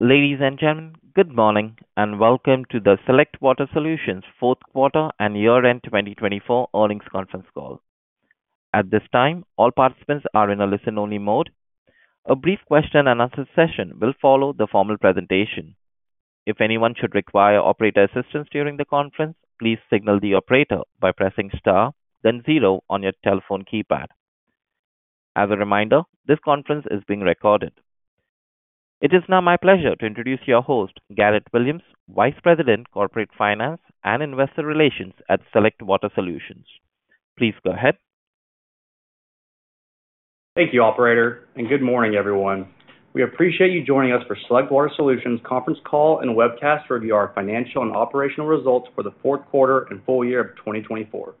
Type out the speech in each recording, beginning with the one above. Ladies and gentlemen, good morning and welcome to the Select Water Solutions Fourth Quarter and Year-End 2024 Earnings Conference Call. At this time, all participants are in a listen-only mode. A brief question-and-answer session will follow the formal presentation. If anyone should require operator assistance during the conference, please signal the operator by pressing star, then zero on your telephone keypad. As a reminder, this conference is being recorded. It is now my pleasure to introduce your host, Garrett Williams, Vice President, Corporate Finance and Investor Relations at Select Water Solutions. Please go ahead. Thank you, Operator, and good morning, everyone. We appreciate you joining us for Select Water Solutions Conference Call and Webcast to review our financial and operational results for the fourth quarter and full year of 2024.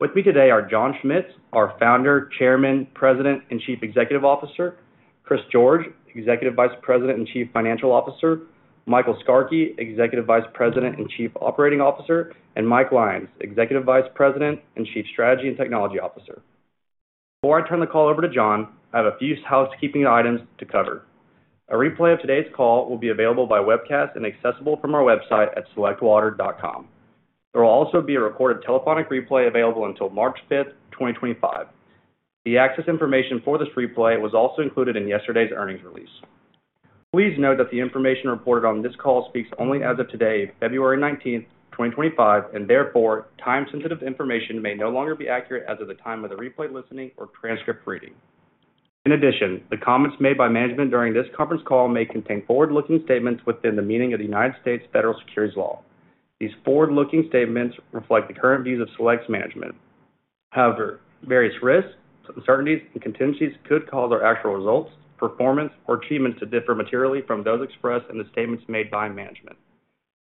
With me today are John Schmitz, our Founder, Chairman, President, and Chief Executive Officer, Chris George, Executive Vice President and Chief Financial Officer, Michael Skarke, Executive Vice President and Chief Operating Officer, and Mike Lyons, Executive Vice President and Chief Strategy and Technology Officer. Before I turn the call over to John, I have a few housekeeping items to cover. A replay of today's call will be available by webcast and accessible from our website at selectwater.com. There will also be a recorded telephonic replay available until March 5th, 2025. The access information for this replay was also included in yesterday's earnings release. Please note that the information reported on this call speaks only as of today, February 19th, 2025, and therefore, time-sensitive information may no longer be accurate as of the time of the replay listening or transcript reading. In addition, the comments made by management during this conference call may contain forward-looking statements within the meaning of the United States federal securities law. These forward-looking statements reflect the current views of Select's management. However, various risks, uncertainties, and contingencies could cause our actual results, performance, or achievements to differ materially from those expressed in the statements made by management.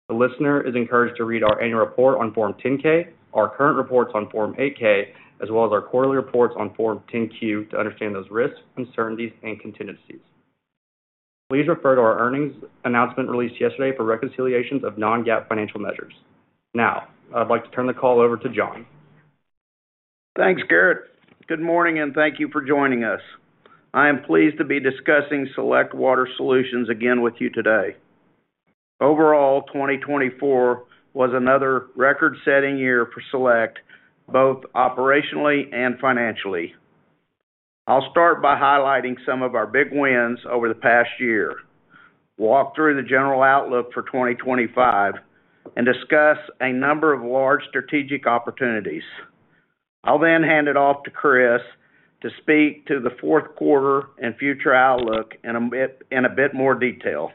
The listener is encouraged to read our annual report on Form 10-K, our current reports on Form 8-K, as well as our quarterly reports on Form 10-Q to understand those risks, uncertainties, and contingencies. Please refer to our earnings announcement released yesterday for reconciliations of non-GAAP financial measures. Now, I'd like to turn the call over to John. Thanks, Garrett. Good morning and thank you for joining us. I am pleased to be discussing Select Water Solutions again with you today. Overall, 2024 was another record-setting year for Select, both operationally and financially. I'll start by highlighting some of our big wins over the past year, walk through the general outlook for 2025, and discuss a number of large strategic opportunities. I'll then hand it off to Chris to speak to the fourth quarter and future outlook in a bit more detail.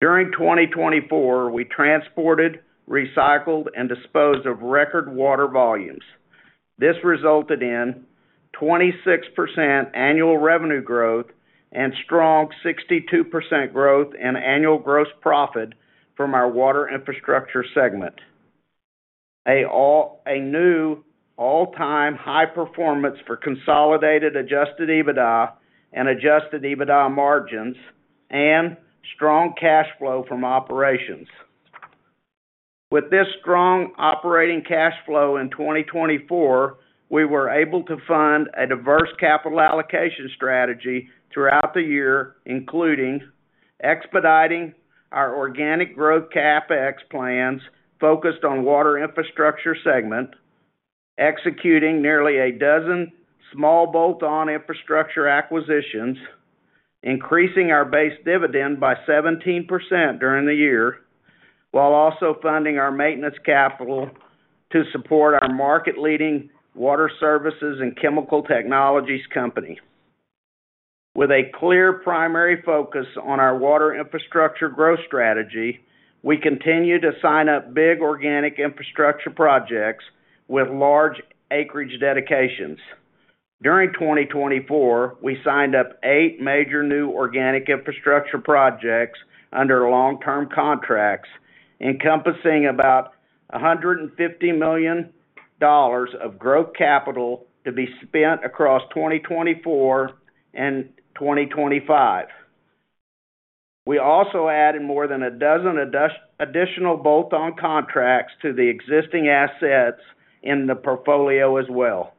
During 2024, we transported, recycled, and disposed of record water volumes. This resulted in 26% annual revenue growth and strong 62% growth in annual gross profit from our Water Infrastructure segment. A new all-time high performance for consolidated Adjusted EBITDA and Adjusted EBITDA margins and strong cash flow from operations. With this strong operating cash flow in 2024, we were able to fund a diverse capital allocation strategy throughout the year, including expediting our organic growth CapEx plans focused on the Water Infrastructure segment, executing nearly a dozen small bolt-on infrastructure acquisitions, increasing our base dividend by 17% during the year, while also funding our maintenance capital to support our market-leading Water Services and Chemical Technologies company. With a clear primary focus on our Water Infrastructure growth strategy, we continue to sign up big organic infrastructure projects with large acreage dedications. During 2024, we signed up eight major new organic infrastructure projects under long-term contracts, encompassing about $150 million of growth capital to be spent across 2024 and 2025. We also added more than a dozen additional bolt-on contracts to the existing assets in the portfolio as well.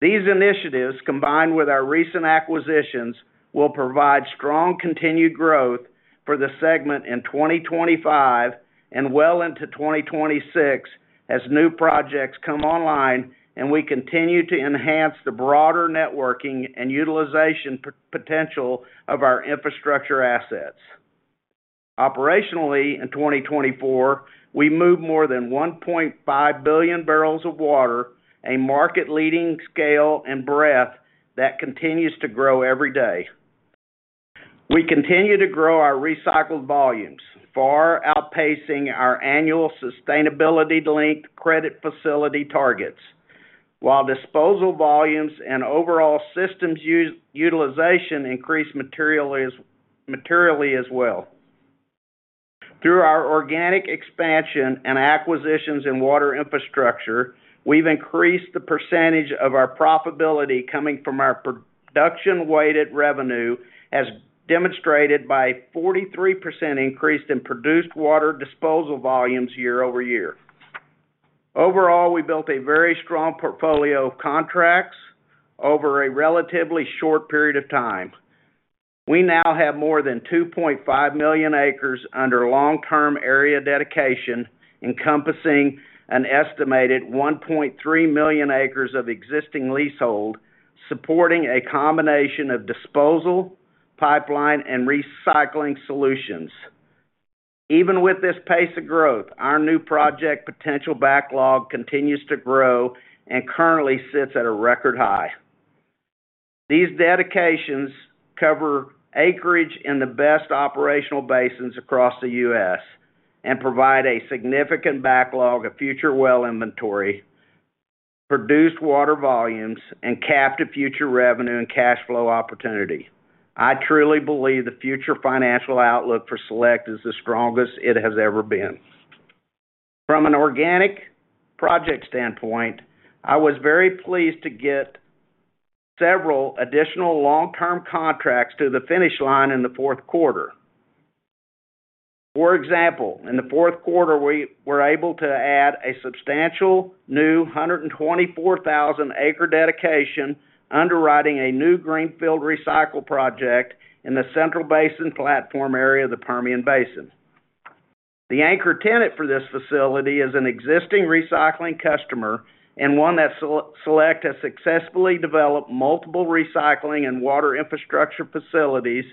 These initiatives, combined with our recent acquisitions, will provide strong continued growth for the segment in 2025 and well into 2026 as new projects come online and we continue to enhance the broader networking and utilization potential of our infrastructure assets. Operationally, in 2024, we moved more than 1.5 billion barrels of water, a market-leading scale and breadth that continues to grow every day. We continue to grow our recycled volumes, far outpacing our annual sustainability-linked credit facility targets, while disposal volumes and overall systems utilization increase materially as well. Through our organic expansion and acquisitions in Water Infrastructure, we've increased the percentage of our profitability coming from our production-weighted revenue, as demonstrated by a 43% increase in produced water disposal volumes year-over-year. Overall, we built a very strong portfolio of contracts over a relatively short period of time. We now have more than 2.5 million acres under long-term area dedication, encompassing an estimated 1.3 million acres of existing leasehold, supporting a combination of disposal, pipeline, and recycling solutions. Even with this pace of growth, our new project potential backlog continues to grow and currently sits at a record high. These dedications cover acreage in the best operational basins across the U.S. and provide a significant backlog of future well inventory, produced water volumes, and captive future revenue and cash flow opportunity. I truly believe the future financial outlook for Select is the strongest it has ever been. From an organic project standpoint, I was very pleased to get several additional long-term contracts to the finish line in the fourth quarter. For example, in the fourth quarter, we were able to add a substantial new 124,000-acre dedication, underwriting a new greenfield recycle project in the Central Basin Platform area of the Permian Basin. The anchor tenant for this facility is an existing recycling customer and one that Select has successfully developed multiple recycling and Water Infrastructure facilities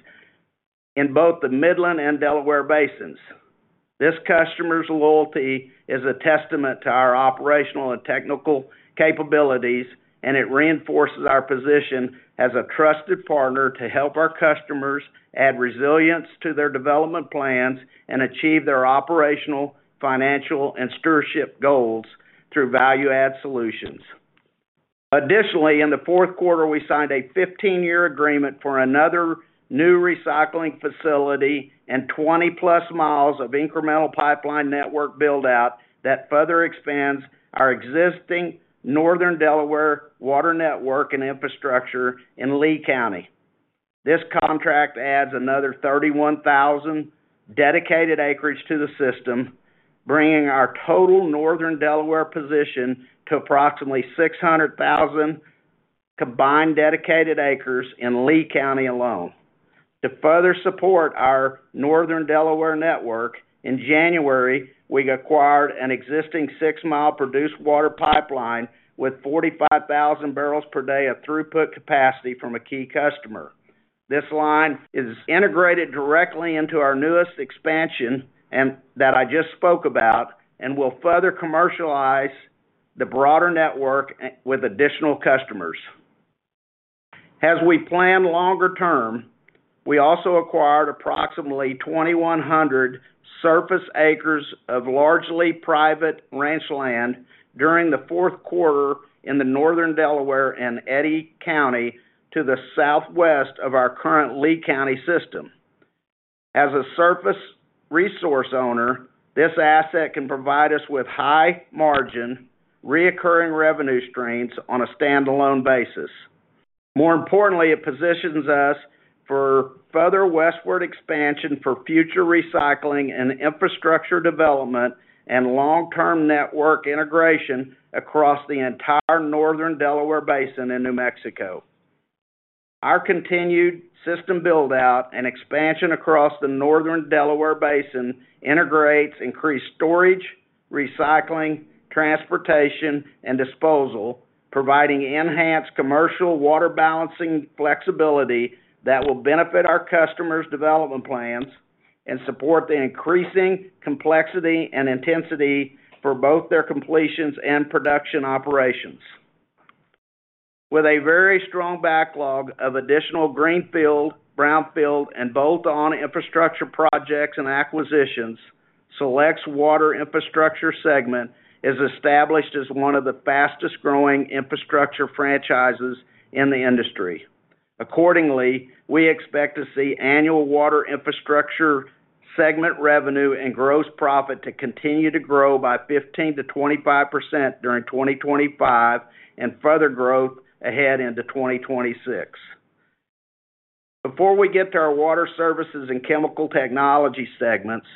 in both the Midland and Delaware Basins. This customer's loyalty is a testament to our operational and technical capabilities, and it reinforces our position as a trusted partner to help our customers add resilience to their development plans and achieve their operational, financial, and stewardship goals through value-add solutions. Additionally, in the fourth quarter, we signed a 15-year agreement for another new recycling facility and 20-plus miles of incremental pipeline network build-out that further expands our existing Northern Delaware water network and infrastructure in Lea County. This contract adds another 31,000 dedicated acreage to the system, bringing our total Northern Delaware position to approximately 600,000 combined dedicated acres in Lea County alone. To further support our Northern Delaware network, in January, we acquired an existing six-mile produced water pipeline with 45,000 barrels per day of throughput capacity from a key customer. This line is integrated directly into our newest expansion that I just spoke about and will further commercialize the broader network with additional customers. As we plan longer term, we also acquired approximately 2,100 surface acres of largely private ranch land during the fourth quarter in the Northern Delaware and Eddy County to the southwest of our current Lea County system. As a surface resource owner, this asset can provide us with high-margin, recurring revenue streams on a standalone basis. More importantly, it positions us for further westward expansion for future recycling and infrastructure development and long-term network integration across the entire Northern Delaware Basin in New Mexico. Our continued system build-out and expansion across the Northern Delaware Basin integrates increased storage, recycling, transportation, and disposal, providing enhanced commercial water balancing flexibility that will benefit our customers' development plans and support the increasing complexity and intensity for both their completions and production operations. With a very strong backlog of additional greenfield, brownfield, and bolt-on infrastructure projects and acquisitions, Select's Water Infrastructure segment is established as one of the fastest-growing infrastructure franchises in the industry. Accordingly, we expect to see annual Water Infrastructure segment revenue and gross profit to continue to grow by 15%-25% during 2025 and further growth ahead into 2026. Before we get to our Water Services and Chemical Technologies segments,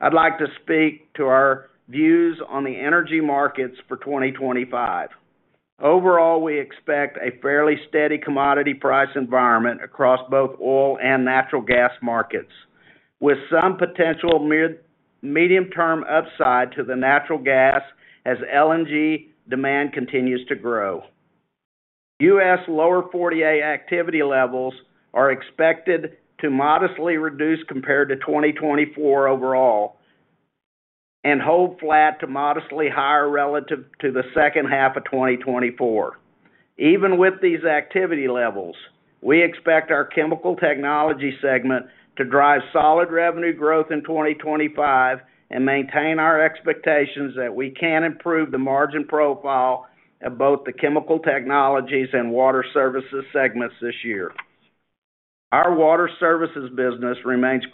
I'd like to speak to our views on the energy markets for 2025. Overall, we expect a fairly steady commodity price environment across both oil and natural gas markets, with some potential medium-term upside to the natural gas as LNG demand continues to grow. U.S. Lower 48 activity levels are expected to modestly reduce compared to 2024 overall and hold flat to modestly higher relative to the second half of 2024. Even with these activity levels, we expect our Chemical Technologies segment to drive solid revenue growth in 2025 and maintain our expectations that we can improve the margin profile of both the Chemical Technologies and Water Services segments this year. Our Water Services business remains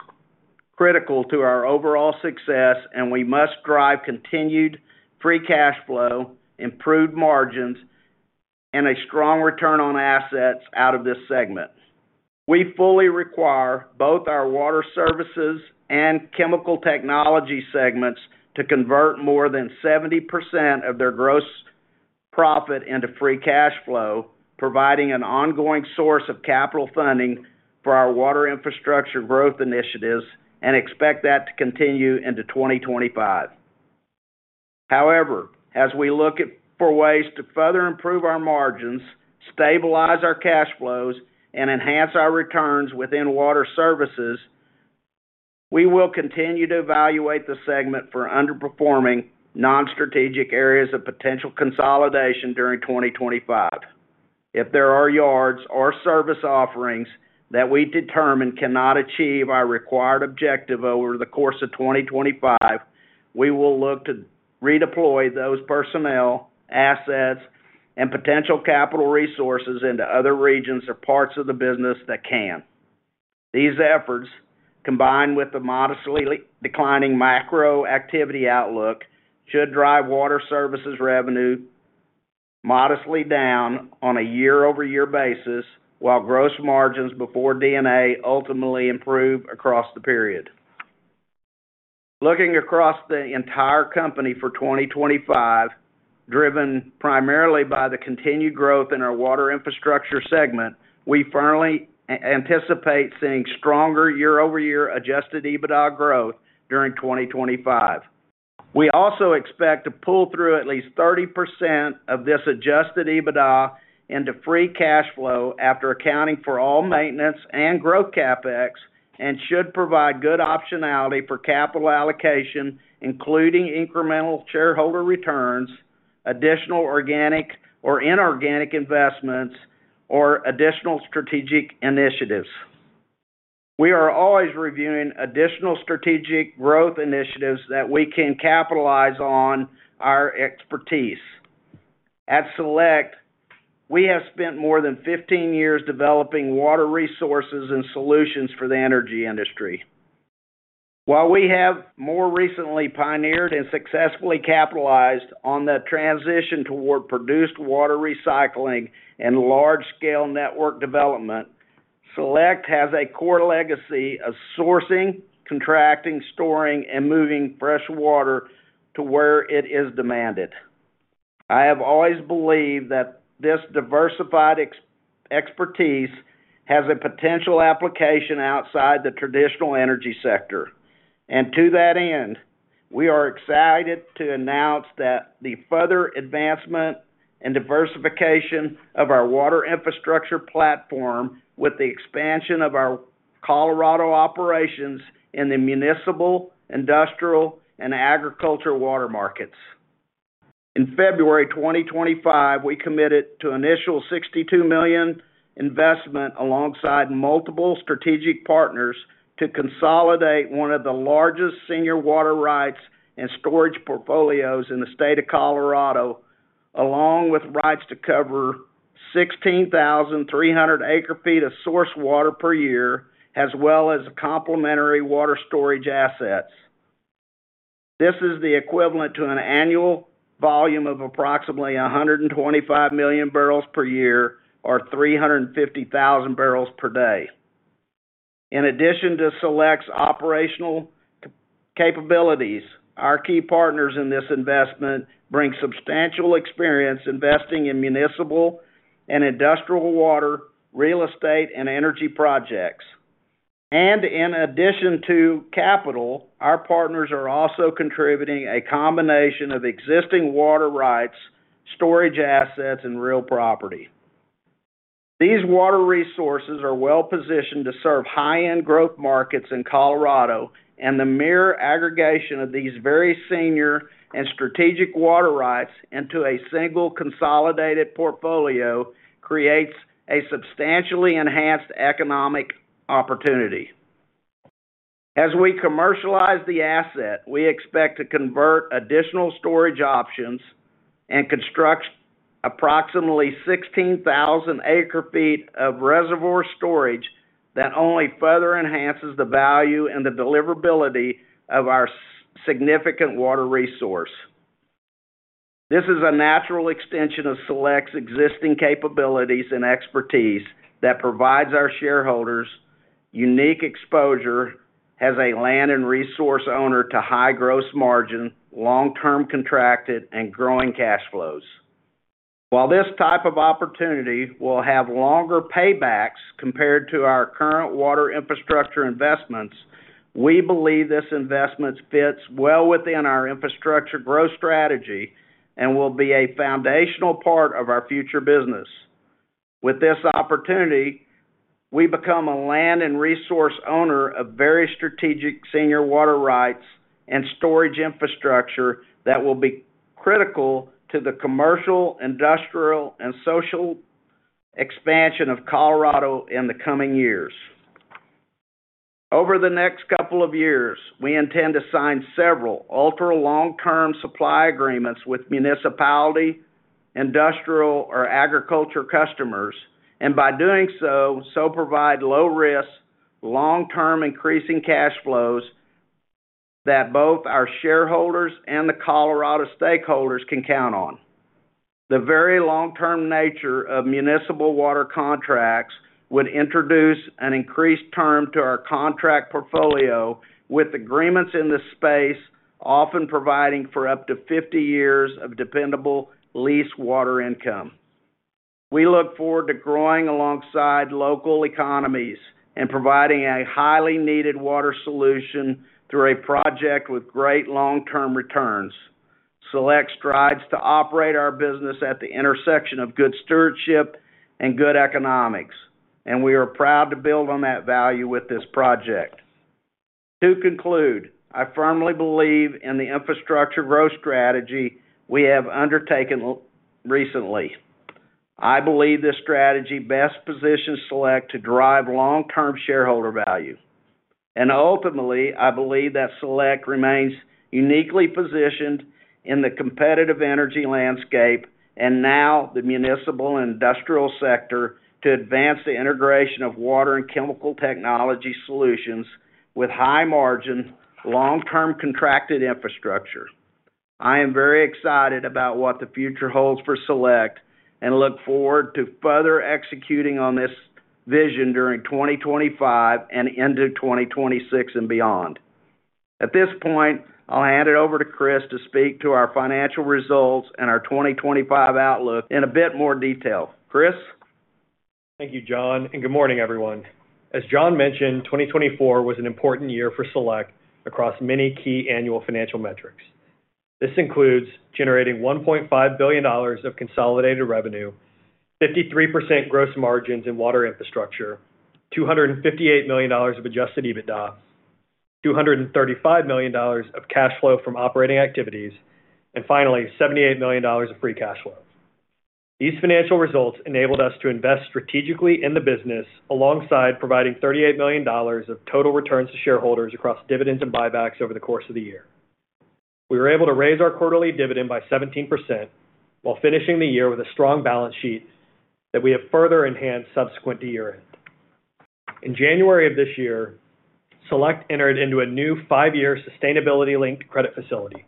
critical to our overall success, and we must drive continued Free Cash Flow, improved margins, and a strong return on assets out of this segment. We fully require both our Water Services and Chemical Technologies segments to convert more than 70% of their gross profit into Free Cash Flow, providing an ongoing source of capital funding for our Water Infrastructure growth initiatives and expect that to continue into 2025. However, as we look for ways to further improve our margins, stabilize our cash flows, and enhance our returns within Water Services, we will continue to evaluate the segment for underperforming non-strategic areas of potential consolidation during 2025. If there are yards or service offerings that we determine cannot achieve our required objective over the course of 2025, we will look to redeploy those personnel, assets, and potential capital resources into other regions or parts of the business that can. These efforts, combined with the modestly declining macro activity outlook, should drive Water Services revenue modestly down on a year-over-year basis, while gross margins before D&A ultimately improve across the period. Looking across the entire company for 2025, driven primarily by the continued growth in our Water Infrastructure segment, we firmly anticipate seeing stronger year-over-year Adjusted EBITDA growth during 2025. We also expect to pull through at least 30% of this Adjusted EBITDA into Free Cash Flow after accounting for all maintenance and growth CapEx and should provide good optionality for capital allocation, including incremental shareholder returns, additional organic or inorganic investments, or additional strategic initiatives. We are always reviewing additional strategic growth initiatives that we can capitalize on our expertise. At Select, we have spent more than 15 years developing water resources and solutions for the energy industry. While we have more recently pioneered and successfully capitalized on the transition toward produced water recycling and large-scale network development, Select has a core legacy of sourcing, contracting, storing, and moving fresh water to where it is demanded. I have always believed that this diversified expertise has a potential application outside the traditional energy sector. And to that end, we are excited to announce that the further advancement and diversification of our Water Infrastructure platform with the expansion of our Colorado operations in the municipal, industrial, and agricultural water markets. In February 2025, we committed to initial $62 million investment alongside multiple strategic partners to consolidate one of the largest senior water rights and storage portfolios in the state of Colorado, along with rights to cover 16,300 acre-feet of source water per year, as well as complementary water storage assets. This is the equivalent to an annual volume of approximately 125 million barrels per year or 350,000 barrels per day. In addition to Select's operational capabilities, our key partners in this investment bring substantial experience investing in municipal and industrial water, real estate, and energy projects. And in addition to capital, our partners are also contributing a combination of existing water rights, storage assets, and real property. These water resources are well-positioned to serve high-end growth markets in Colorado, and the mere aggregation of these very senior and strategic water rights into a single consolidated portfolio creates a substantially enhanced economic opportunity. As we commercialize the asset, we expect to convert additional storage options and construct approximately 16,000 acre-feet of reservoir storage that only further enhances the value and the deliverability of our significant water resource. This is a natural extension of Select's existing capabilities and expertise that provides our shareholders unique exposure as a land and resource owner to high gross margin, long-term contracted, and growing cash flows. While this type of opportunity will have longer paybacks compared to our current Water Infrastructure investments, we believe this investment fits well within our infrastructure growth strategy and will be a foundational part of our future business. With this opportunity, we become a land and resource owner of very strategic senior water rights and storage infrastructure that will be critical to the commercial, industrial, and social expansion of Colorado in the coming years. Over the next couple of years, we intend to sign several ultra-long-term supply agreements with municipal, industrial, or agricultural customers, and by doing so, provide low-risk, long-term increasing cash flows that both our shareholders and the Colorado stakeholders can count on. The very long-term nature of municipal water contracts would introduce an increased term to our contract portfolio, with agreements in this space often providing for up to 50 years of dependable lease water income. We look forward to growing alongside local economies and providing a highly needed water solution through a project with great long-term returns. Select strives to operate our business at the intersection of good stewardship and good economics, and we are proud to build on that value with this project. To conclude, I firmly believe in the infrastructure growth strategy we have undertaken recently. I believe this strategy best positions Select to drive long-term shareholder value, and ultimately, I believe that Select remains uniquely positioned in the competitive energy landscape and now the municipal and industrial sector to advance the integration of water and chemical technology solutions with high-margin, long-term contracted infrastructure. I am very excited about what the future holds for Select and look forward to further executing on this vision during 2025 and into 2026 and beyond. At this point, I'll hand it over to Chris to speak to our financial results and our 2025 outlook in a bit more detail. Chris? Thank you, John, and good morning, everyone. As John mentioned, 2024 was an important year for Select across many key annual financial metrics. This includes generating $1.5 billion of consolidated revenue, 53% gross margins in Water Infrastructure, $258 million of Adjusted EBITDA, $235 million of cash flow from operating activities, and finally, $78 million of Free Cash Flow. These financial results enabled us to invest strategically in the business alongside providing $38 million of total returns to shareholders across dividends and buybacks over the course of the year. We were able to raise our quarterly dividend by 17% while finishing the year with a strong balance sheet that we have further enhanced subsequent to year-end. In January of this year, Select entered into a new five-year sustainability-linked credit facility,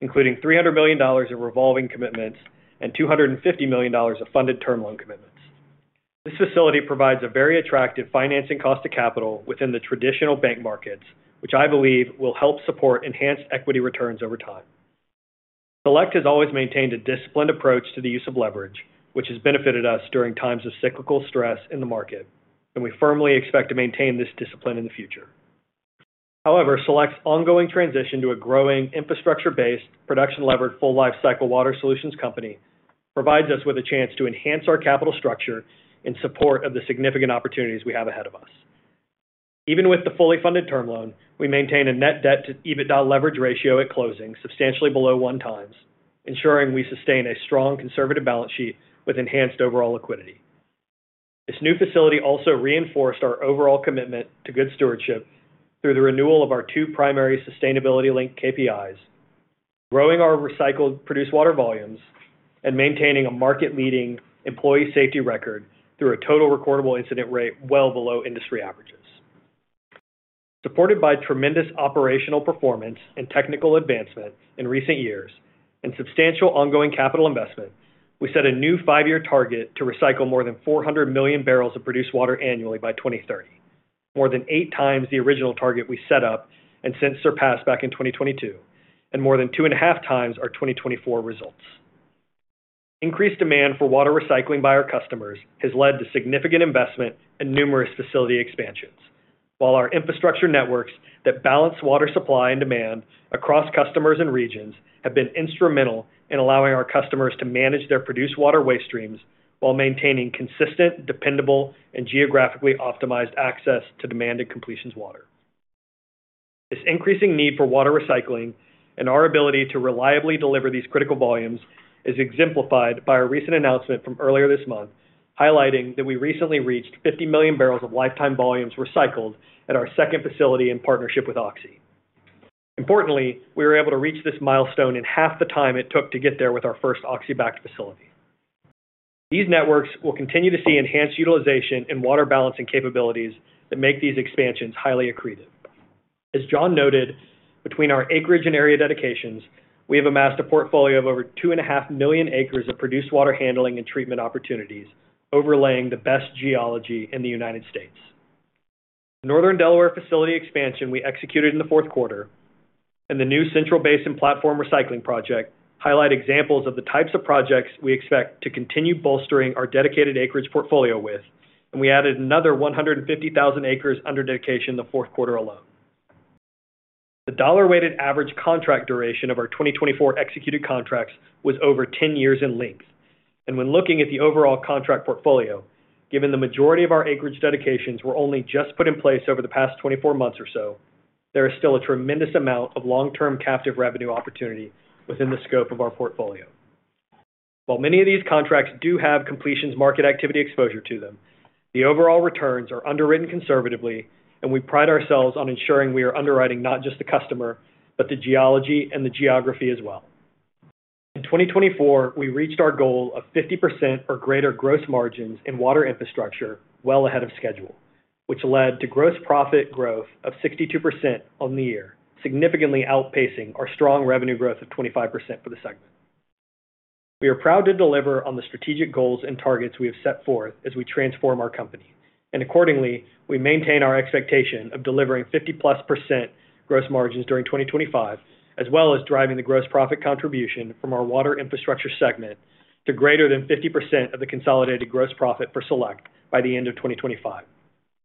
including $300 million of revolving commitments and $250 million of funded term loan commitments. This facility provides a very attractive financing cost of capital within the traditional bank markets, which I believe will help support enhanced equity returns over time. Select has always maintained a disciplined approach to the use of leverage, which has benefited us during times of cyclical stress in the market, and we firmly expect to maintain this discipline in the future. However, Select's ongoing transition to a growing infrastructure-based production-levered full-life cycle water solutions company provides us with a chance to enhance our capital structure in support of the significant opportunities we have ahead of us. Even with the fully funded term loan, we maintain a net debt-to-EBITDA leverage ratio at closing substantially below one times, ensuring we sustain a strong conservative balance sheet with enhanced overall liquidity. This new facility also reinforced our overall commitment to good stewardship through the renewal of our two primary sustainability-linked KPIs, growing our recycled produced water volumes, and maintaining a market-leading employee safety record through a total recordable incident rate well below industry averages. Supported by tremendous operational performance and technical advancement in recent years and substantial ongoing capital investment, we set a new five-year target to recycle more than 400 million barrels of produced water annually by 2030, more than eight times the original target we set up and since surpassed back in 2022, and more than two and a half times our 2024 results. Increased demand for water recycling by our customers has led to significant investment and numerous facility expansions, while our infrastructure networks that balance water supply and demand across customers and regions have been instrumental in allowing our customers to manage their produced water waste streams while maintaining consistent, dependable, and geographically optimized access to demanded completions water. This increasing need for water recycling and our ability to reliably deliver these critical volumes is exemplified by a recent announcement from earlier this month highlighting that we recently reached 50 million barrels of lifetime volumes recycled at our second facility in partnership with Oxy. Importantly, we were able to reach this milestone in half the time it took to get there with our first Oxy-backed facility. These networks will continue to see enhanced utilization and water balancing capabilities that make these expansions highly accretive. As John noted, between our acreage and area dedications, we have amassed a portfolio of over 2.5 million acres of produced water handling and treatment opportunities overlaying the best geology in the United States. The Northern Delaware facility expansion we executed in the fourth quarter and the new Central Basin Platform recycling project highlight examples of the types of projects we expect to continue bolstering our dedicated acreage portfolio with, and we added another 150,000 acres under dedication in the fourth quarter alone. The dollar-weighted average contract duration of our 2024 executed contracts was over 10 years in length, and when looking at the overall contract portfolio, given the majority of our acreage dedications were only just put in place over the past 24 months or so, there is still a tremendous amount of long-term captive revenue opportunity within the scope of our portfolio. While many of these contracts do have completions market activity exposure to them, the overall returns are underwritten conservatively, and we pride ourselves on ensuring we are underwriting not just the customer, but the geology and the geography as well. In 2024, we reached our goal of 50% or greater gross margins in Water Infrastructure well ahead of schedule, which led to gross profit growth of 62% on the year, significantly outpacing our strong revenue growth of 25% for the segment. We are proud to deliver on the strategic goals and targets we have set forth as we transform our company, and accordingly, we maintain our expectation of delivering 50%+ gross margins during 2025, as well as driving the gross profit contribution from our Water Infrastructure segment to greater than 50% of the consolidated gross profit for Select by the end of 2025,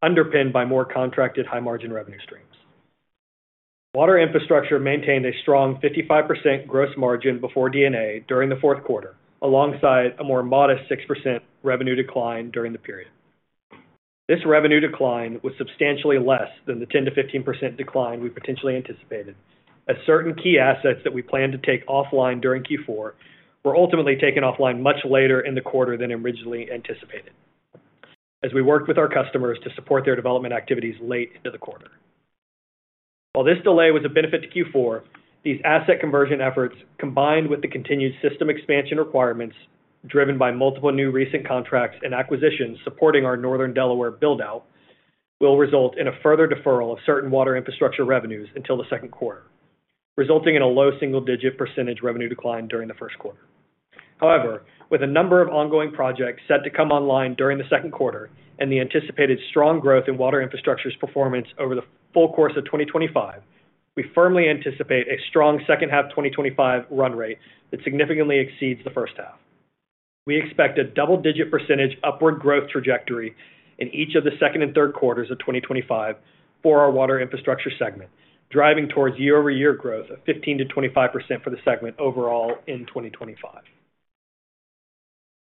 underpinned by more contracted high-margin revenue streams. Water Infrastructure maintained a strong 55% gross margin before D&A during the fourth quarter, alongside a more modest 6% revenue decline during the period. This revenue decline was substantially less than the 10%-15% decline we potentially anticipated, as certain key assets that we planned to take offline during Q4 were ultimately taken offline much later in the quarter than originally anticipated, as we worked with our customers to support their development activities late into the quarter. While this delay was a benefit to Q4, these asset conversion efforts, combined with the continued system expansion requirements driven by multiple new recent contracts and acquisitions supporting our Northern Delaware buildout, will result in a further deferral of certain Water Infrastructure revenues until the second quarter, resulting in a low single-digit percentage revenue decline during the first quarter. However, with a number of ongoing projects set to come online during the second quarter and the anticipated strong growth in Water Infrastructure's performance over the full course of 2025, we firmly anticipate a strong second half 2025 run rate that significantly exceeds the first half. We expect a double-digit percentage upward growth trajectory in each of the second and third quarters of 2025 for our Water Infrastructure segment, driving towards year-over-year growth of 15%-25% for the segment overall in 2025.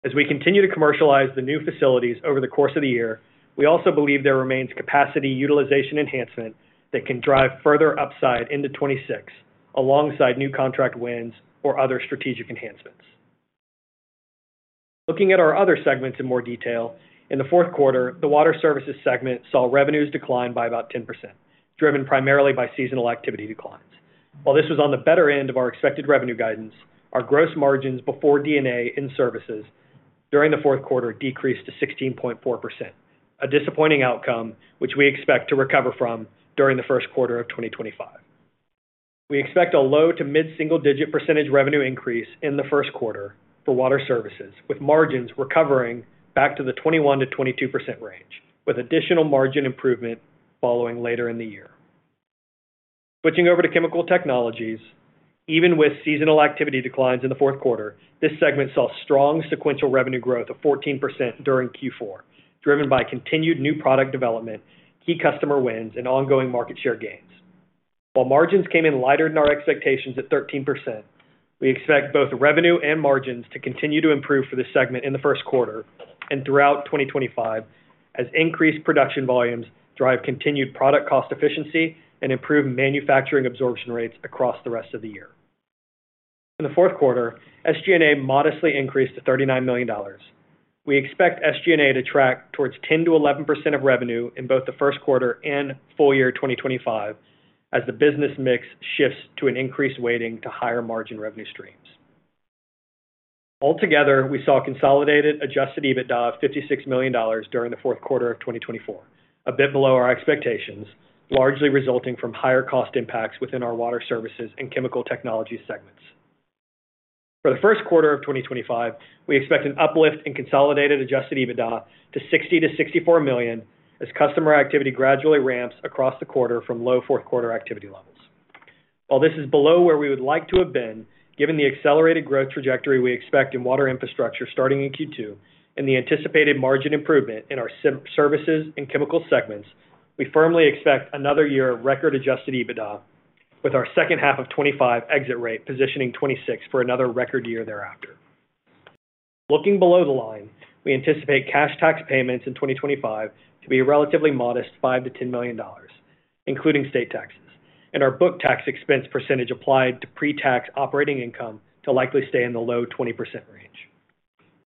As we continue to commercialize the new facilities over the course of the year, we also believe there remains capacity utilization enhancement that can drive further upside into 2026 alongside new contract wins or other strategic enhancements. Looking at our other segments in more detail, in the fourth quarter, the Water Services segment saw revenues decline by about 10%, driven primarily by seasonal activity declines. While this was on the better end of our expected revenue guidance, our gross margins before D&A and services during the fourth quarter decreased to 16.4%, a disappointing outcome which we expect to recover from during the first quarter of 2025. We expect a low to mid-single-digit percentage revenue increase in the first quarter for Water Services, with margins recovering back to the 21%-22% range, with additional margin improvement following later in the year. Switching over to Chemical Technologies, even with seasonal activity declines in the fourth quarter, this segment saw strong sequential revenue growth of 14% during Q4, driven by continued new product development, key customer wins, and ongoing market share gains. While margins came in lighter than our expectations at 13%, we expect both revenue and margins to continue to improve for this segment in the first quarter and throughout 2025 as increased production volumes drive continued product cost efficiency and improve manufacturing absorption rates across the rest of the year. In the fourth quarter, SG&A modestly increased to $39 million. We expect SG&A to track towards 10%-11% of revenue in both the first quarter and full year 2025 as the business mix shifts to an increased weighting to higher margin revenue streams. Altogether, we saw consolidated Adjusted EBITDA of $56 million during the fourth quarter of 2024, a bit below our expectations, largely resulting from higher cost impacts within our Water Services and Chemical Technology segments. For the first quarter of 2025, we expect an uplift in consolidated Adjusted EBITDA to $60 million-$64 million as customer activity gradually ramps across the quarter from low fourth quarter activity levels. While this is below where we would like to have been, given the accelerated growth trajectory we expect in Water Infrastructure starting in Q2 and the anticipated margin improvement in our Water Services and Chemical segments, we firmly expect another year of record Adjusted EBITDA, with our second-half of 2025 exit rate positioning 2026 for another record year thereafter. Looking below the line, we anticipate cash tax payments in 2025 to be relatively modest, $5 million-$10 million, including state taxes, and our book tax expense percentage applied to pre-tax operating income to likely stay in the low 20% range.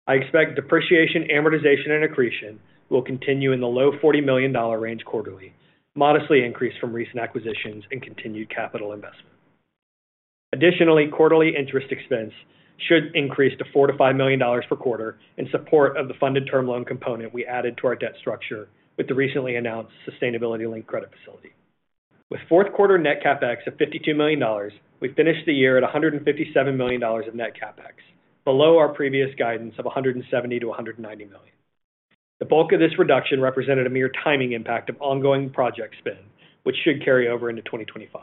I expect depreciation, amortization, and accretion will continue in the low $40 million range quarterly, modestly increased from recent acquisitions and continued capital investment. Additionally, quarterly interest expense should increase to $4 million-$5 million per quarter in support of the funded term loan component we added to our debt structure with the recently announced sustainability-linked credit facility. With fourth quarter net CapEx of $52 million, we finished the year at $157 million of net CapEx, below our previous guidance of $170 million-$190 million. The bulk of this reduction represented a mere timing impact of ongoing project spend, which should carry over into 2025.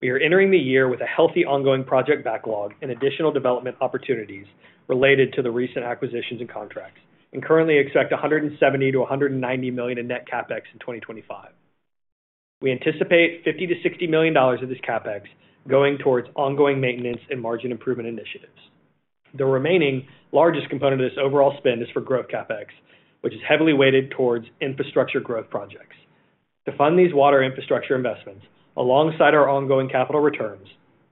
We are entering the year with a healthy ongoing project backlog and additional development opportunities related to the recent acquisitions and contracts, and currently expect $170 million-$190 million in net CapEx in 2025. We anticipate $50 million-$60 million of this CapEx going towards ongoing maintenance and margin improvement initiatives. The remaining largest component of this overall spend is for growth CapEx, which is heavily weighted towards infrastructure growth projects. To fund these Water Infrastructure investments, alongside our ongoing capital returns,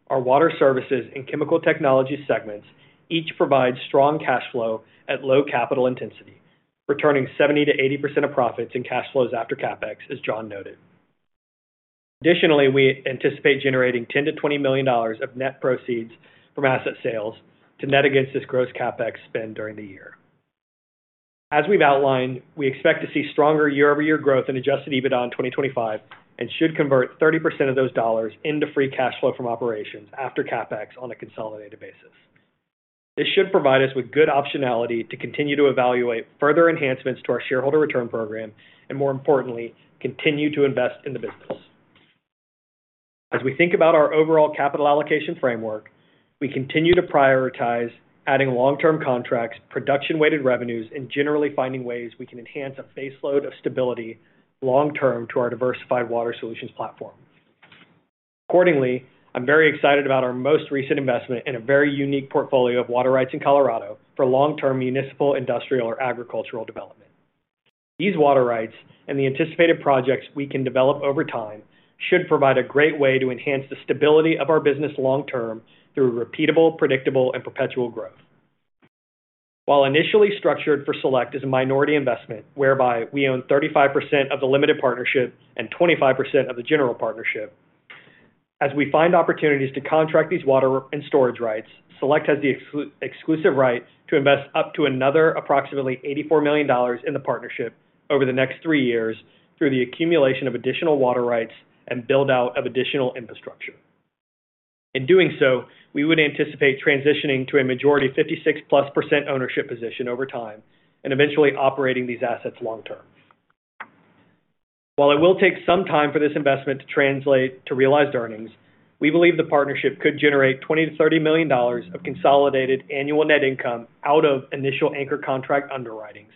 our Water Services and Chemical Technology segments each provide strong cash flow at low capital intensity, returning 70%-80% of profits and cash flows after CapEx, as John noted. Additionally, we anticipate generating $10 million-$20 million of net proceeds from asset sales to net against this gross CapEx spend during the year. As we've outlined, we expect to see stronger year-over-year growth in Adjusted EBITDA in 2025 and should convert 30% of those dollars into Free Cash Flow from operations after CapEx on a consolidated basis. This should provide us with good optionality to continue to evaluate further enhancements to our shareholder return program and, more importantly, continue to invest in the business. As we think about our overall capital allocation framework, we continue to prioritize adding long-term contracts, production-weighted revenues, and generally finding ways we can enhance a baseload of stability long-term to our diversified water solutions platform. Accordingly, I'm very excited about our most recent investment in a very unique portfolio of water rights in Colorado for long-term municipal, industrial, or agricultural development. These water rights and the anticipated projects we can develop over time should provide a great way to enhance the stability of our business long-term through repeatable, predictable, and perpetual growth. While initially structured for Select as a minority investment whereby we own 35% of the limited partnership and 25% of the general partnership, as we find opportunities to contract these water and storage rights, Select has the exclusive right to invest up to another approximately $84 million in the partnership over the next three years through the accumulation of additional water rights and buildout of additional infrastructure. In doing so, we would anticipate transitioning to a majority 56%+ ownership position over time and eventually operating these assets long-term. While it will take some time for this investment to translate to realized earnings, we believe the partnership could generate $20 million-$30 million of consolidated annual net income out of initial anchor contract underwritings,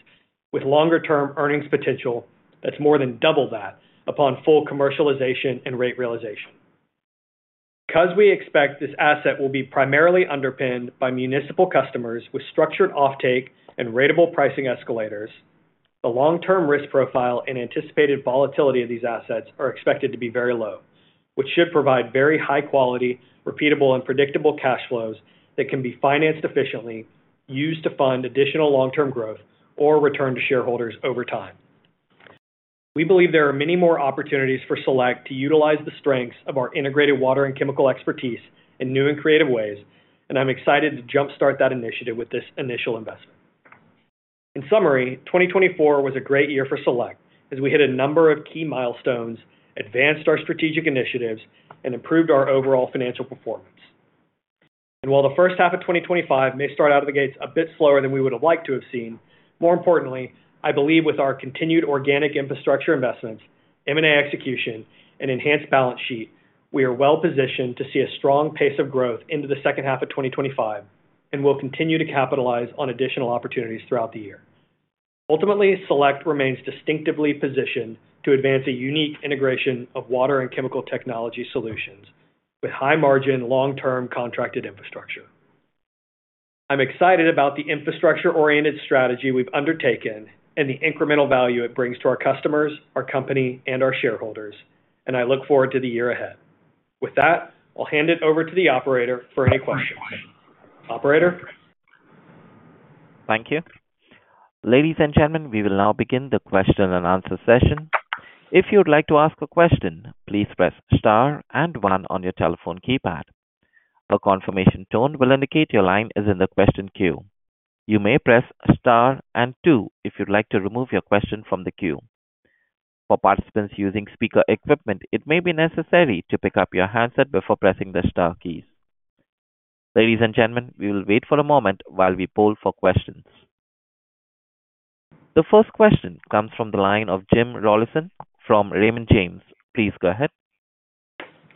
with longer-term earnings potential that's more than double that upon full commercialization and rate realization. Because we expect this asset will be primarily underpinned by municipal customers with structured offtake and ratable pricing escalators, the long-term risk profile and anticipated volatility of these assets are expected to be very low, which should provide very high-quality, repeatable, and predictable cash flows that can be financed efficiently, used to fund additional long-term growth or return to shareholders over time. We believe there are many more opportunities for Select to utilize the strengths of our integrated water and chemical expertise in new and creative ways, and I'm excited to jump-start that initiative with this initial investment. In summary, 2024 was a great year for Select as we hit a number of key milestones, advanced our strategic initiatives, and improved our overall financial performance and while the first half of 2025 may start out of the gates a bit slower than we would have liked to have seen, more importantly, I believe with our continued organic infrastructure investments, M&A execution, and enhanced balance sheet, we are well positioned to see a strong pace of growth into the second half of 2025 and will continue to capitalize on additional opportunities throughout the year. Ultimately, Select remains distinctively positioned to advance a unique integration of water and chemical technology solutions with high-margin, long-term contracted infrastructure. I'm excited about the infrastructure-oriented strategy we've undertaken and the incremental value it brings to our customers, our company, and our shareholders, and I look forward to the year ahead. With that, I'll hand it over to the operator for any questions. Operator? Thank you. Ladies and gentlemen, we will now begin the question and answer session. If you would like to ask a question, please press star and one on your telephone keypad. A confirmation tone will indicate your line is in the question queue. You may press star and two if you'd like to remove your question from the queue. For participants using speaker equipment, it may be necessary to pick up your handset before pressing the Star keys. Ladies and gentlemen, we will wait for a moment while we poll for questions. The first question comes from the line of Jim Rollyson from Raymond James. Please go ahead.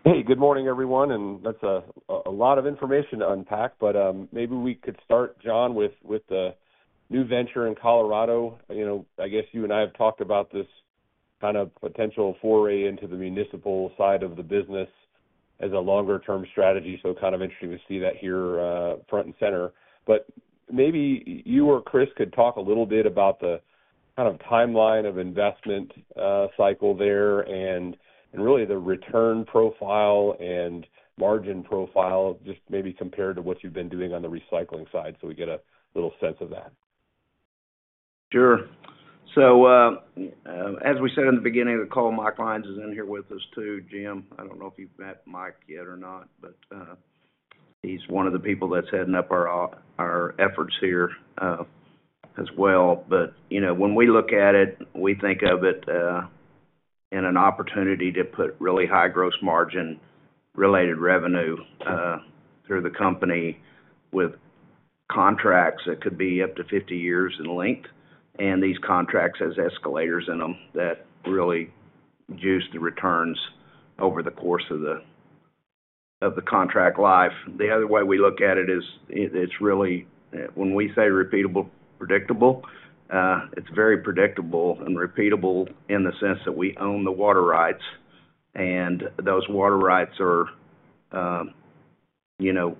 Hey, good morning, everyone. And that's a lot of information to unpack, but maybe we could start, John, with the new venture in Colorado. I guess you and I have talked about this kind of potential foray into the municipal side of the business as a longer-term strategy, so kind of interesting to see that here front and center, but maybe you or Chris could talk a little bit about the kind of timeline of investment cycle there and really the return profile and margin profile, just maybe compared to what you've been doing on the recycling side, so we get a little sense of that. Sure, so as we said in the beginning of the call, Mike Lyons is in here with us too, Jim. I don't know if you've met Mike yet or not, but he's one of the people that's heading up our efforts here as well. But when we look at it, we think of it in an opportunity to put really high gross margin related revenue through the company with contracts that could be up to 50 years in length, and these contracts have escalators in them that really juice the returns over the course of the contract life. The other way we look at it is it's really, when we say repeatable, predictable, it's very predictable and repeatable in the sense that we own the water rights, and those water rights are in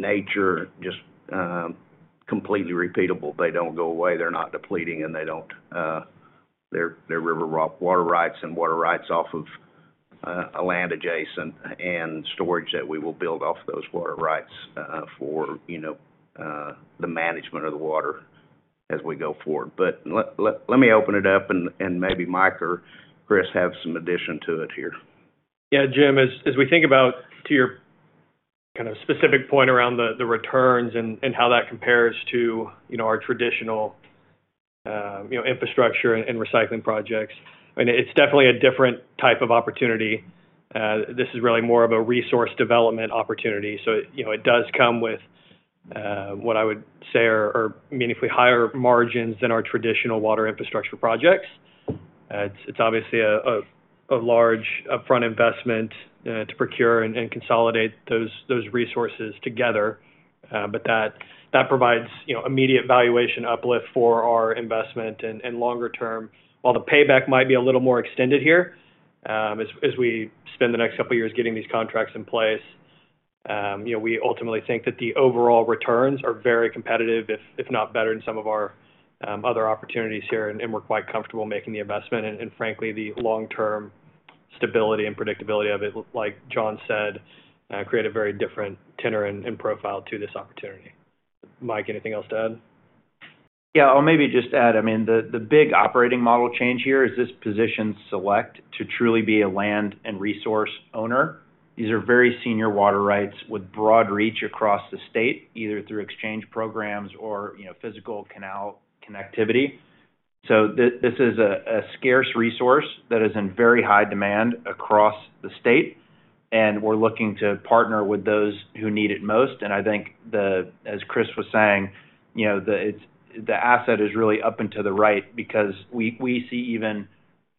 nature just completely repeatable. They don't go away. They're not depleting, they're river water rights and water rights off of a land adjacent and storage that we will build off those water rights for the management of the water as we go forward. But let me open it up, and maybe Mike or Chris have some addition to it here. Yeah, Jim, as we think about, too, your kind of specific point around the returns and how that compares to our traditional infrastructure and recycling projects, I mean, it's definitely a different type of opportunity. This is really more of a resource development opportunity. So it does come with what I would say are meaningfully higher margins than our traditional Water Infrastructure projects. It's obviously a large upfront investment to procure and consolidate those resources together, but that provides immediate valuation uplift for our investment and longer-term. While the payback might be a little more extended here as we spend the next couple of years getting these contracts in place, we ultimately think that the overall returns are very competitive, if not better than some of our other opportunities here, and we're quite comfortable making the investment. And frankly, the long-term stability and predictability of it, like John said, create a very different tenor and profile to this opportunity. Mike, anything else to add? Yeah, I'll maybe just add, I mean, the big operating model change here is this position Select to truly be a land and resource owner. These are very senior water rights with broad reach across the state, either through exchange programs or physical canal connectivity. So this is a scarce resource that is in very high demand across the state, and we're looking to partner with those who need it most. And I think, as Chris was saying, the asset is really up and to the right because we see even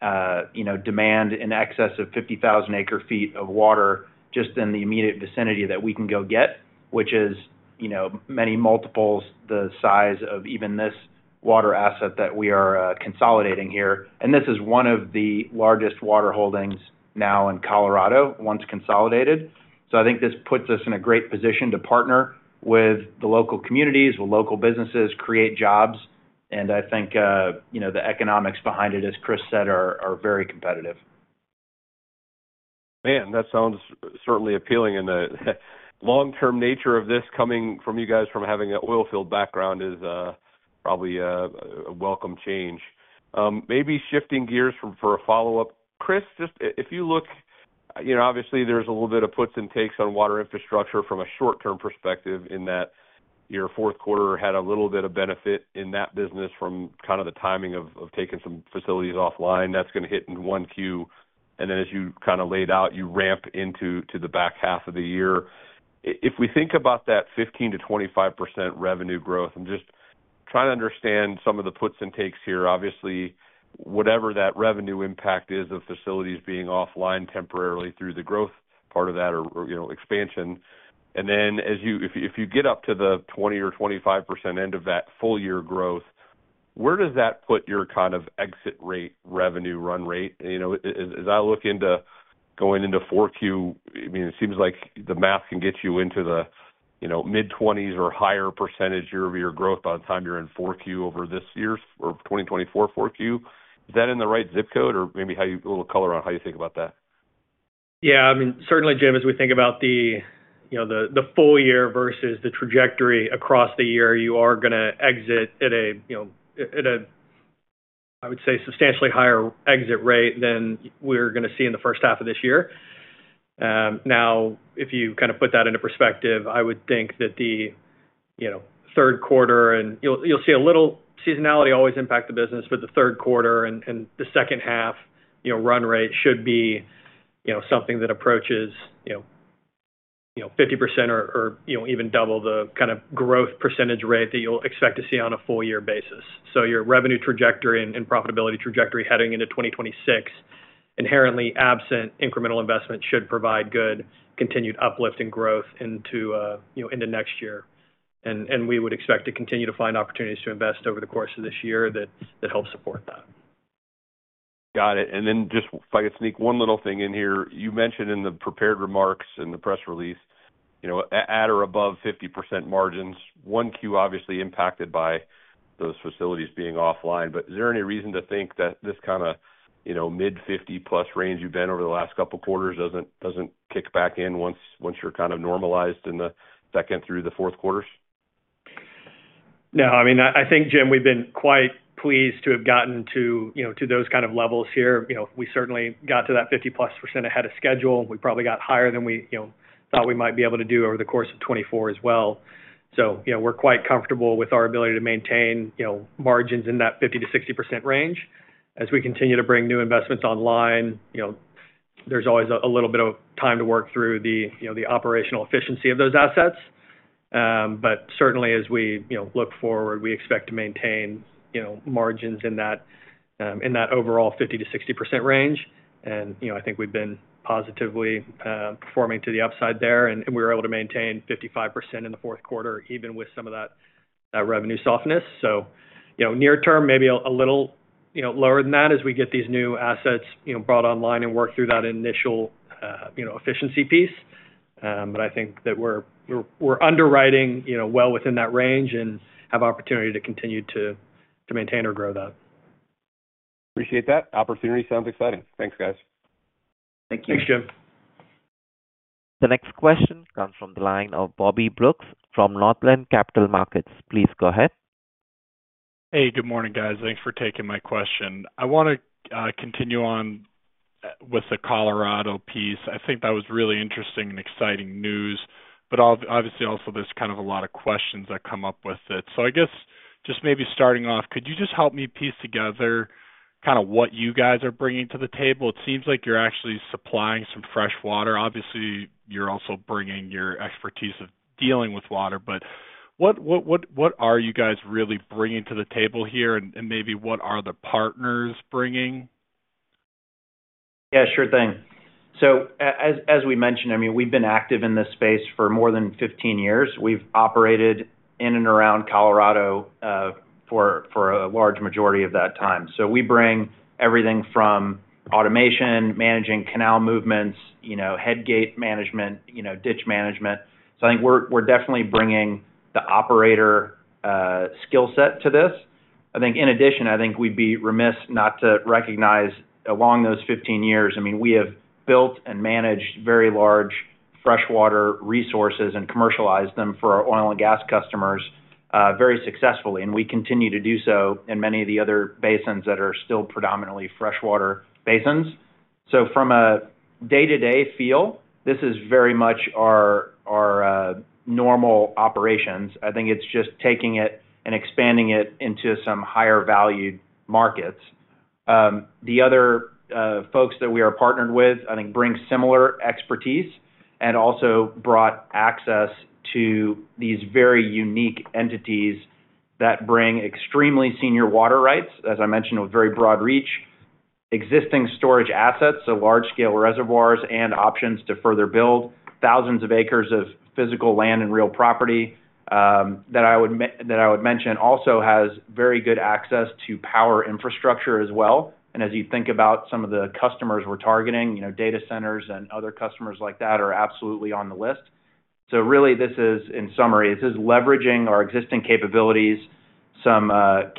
demand in excess of 50,000 acre-feet of water just in the immediate vicinity that we can go get, which is many multiples the size of even this water asset that we are consolidating here. And this is one of the largest water holdings now in Colorado, once consolidated. So I think this puts us in a great position to partner with the local communities, with local businesses, create jobs, and I think the economics behind it, as Chris said, are very competitive. Man, that sounds certainly appealing, and the long-term nature of this coming from you guys from having an oil field background is probably a welcome change. Maybe shifting gears for a follow-up, Chris, just if you look, obviously, there's a little bit of puts and takes on Water Infrastructure from a short-term perspective in that your fourth quarter had a little bit of benefit in that business from kind of the timing of taking some facilities offline. That's going to hit in Q1. And then as you kind of laid out, you ramp into the back half of the year. If we think about that 15%-25% revenue growth, I'm just trying to understand some of the puts and takes here. Obviously, whatever that revenue impact is of facilities being offline temporarily through the growth part of that or expansion. And then if you get up to the 20% or 25% end of that full-year growth, where does that put your kind of exit rate revenue run rate? As I look into going into Q4, I mean, it seems like the math can get you into the mid-20s or higher % year-over-year growth by the time you're in 4Q over this year's or 2024 4Q. Is that in the right zip code or maybe a little color on how you think about that? Yeah, I mean, certainly, Jim, as we think about the full year versus the trajectory across the year, you are going to exit at a, I would say, substantially higher exit rate than we're going to see in the first half of this year. Now, if you kind of put that into perspective, I would think that the third quarter, and you'll see a little seasonality always impact the business, but the third quarter and the second half run rate should be something that approaches 50% or even double the kind of growth percentage rate that you'll expect to see on a full-year basis. So your revenue trajectory and profitability trajectory heading into 2026, inherently absent incremental investment should provide good continued uplift and growth into next year. And we would expect to continue to find opportunities to invest over the course of this year that help support that. Got it. And then just if I could sneak one little thing in here, you mentioned in the prepared remarks and the press release, at or above 50% margins, 1Q obviously impacted by those facilities being offline. But is there any reason to think that this kind of mid-50%+ range you've been over the last couple of quarters doesn't kick back in once you're kind of normalized in the second through the fourth quarters? No, I mean, Jim, we've been quite pleased to have gotten to those kind of levels here. We certainly got to that 50%+ ahead of schedule. We probably got higher than we thought we might be able to do over the course of 2024 as well. So we're quite comfortable with our ability to maintain margins in that 50%-60% range. As we continue to bring new investments online, there's always a little bit of time to work through the operational efficiency of those assets. But certainly, as we look forward, we expect to maintain margins in that overall 50%-60% range. And I think we've been positively performing to the upside there, and we were able to maintain 55% in the fourth quarter even with some of that revenue softness. So near-term, maybe a little lower than that as we get these new assets brought online and work through that initial efficiency piece. But I think that we're underwriting well within that range and have opportunity to continue to maintain or grow that. Appreciate that. Opportunity sounds exciting. Thanks, guys. Thank you. Thanks, Jim. The next question comes from the line of Bobby Brooks from Northland Capital Markets. Please go ahead. Hey, good morning, guys. Thanks for taking my question. I want to continue on with the Colorado piece. I think that was really interesting and exciting news, but obviously also there's kind of a lot of questions that come up with it. So I guess just maybe starting off, could you just help me piece together kind of what you guys are bringing to the table? It seems like you're actually supplying some fresh water. Obviously, you're also bringing your expertise of dealing with water, but what are you guys really bringing to the table here, and maybe what are the partners bringing? Yeah, sure thing. So as we mentioned, I mean, we've been active in this space for more than 15 years. We've operated in and around Colorado for a large majority of that time. So we bring everything from automation, managing canal movements, headgate management, ditch management. So I think we're definitely bringing the operator skill set to this. I think in addition, I think we'd be remiss not to recognize along those 15 years, I mean, we have built and managed very large freshwater resources and commercialized them for our oil and gas customers very successfully, and we continue to do so in many of the other basins that are still predominantly freshwater basins. So from a day-to-day feel, this is very much our normal operations. I think it's just taking it and expanding it into some higher-valued markets. The other folks that we are partnered with, I think, bring similar expertise and also brought access to these very unique entities that bring extremely senior water rights, as I mentioned, with very broad reach, existing storage assets, so large-scale reservoirs and options to further build thousands of acres of physical land and real property that I would mention also has very good access to power infrastructure as well. And as you think about some of the customers we're targeting, data centers and other customers like that are absolutely on the list. So really, this is, in summary, leveraging our existing capabilities, some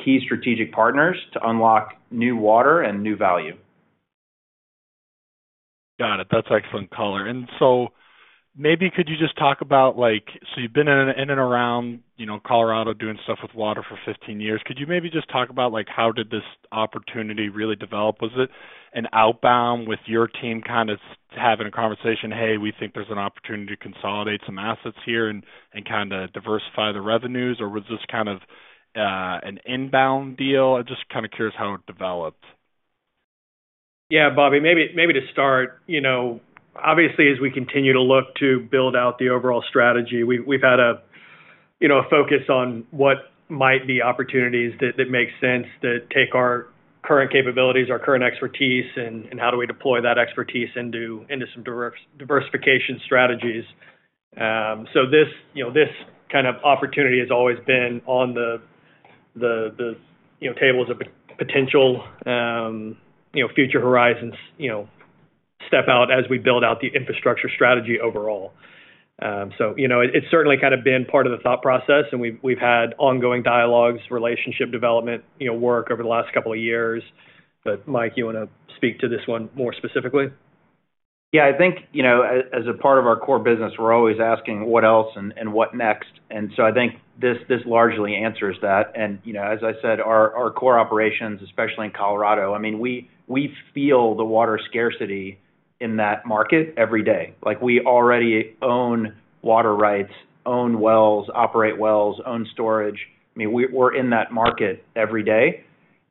key strategic partners to unlock new water and new value. Got it. That's excellent coloring. And so maybe could you just talk about, so you've been in and around Colorado doing stuff with water for 15 years. Could you maybe just talk about how did this opportunity really develop? Was it an outbound with your team kind of having a conversation, "Hey, we think there's an opportunity to consolidate some assets here and kind of diversify the revenues," or was this kind of an inbound deal? I'm just kind of curious how it developed. Yeah, Bobby, maybe to start, obviously, as we continue to look to build out the overall strategy, we've had a focus on what might be opportunities that make sense to take our current capabilities, our current expertise, and how do we deploy that expertise into some diversification strategies. So this kind of opportunity has always been on the tables of potential future horizons step out as we build out the infrastructure strategy overall. So it's certainly kind of been part of the thought process, and we've had ongoing dialogues, relationship development work over the last couple of years. But Mike, you want to speak to this one more specifically? Yeah, I think as a part of our core business, we're always asking what else and what next. And so I think this largely answers that. As I said, our core operations, especially in Colorado, I mean, we feel the water scarcity in that market every day. We already own water rights, own wells, operate wells, own storage. I mean, we're in that market every day.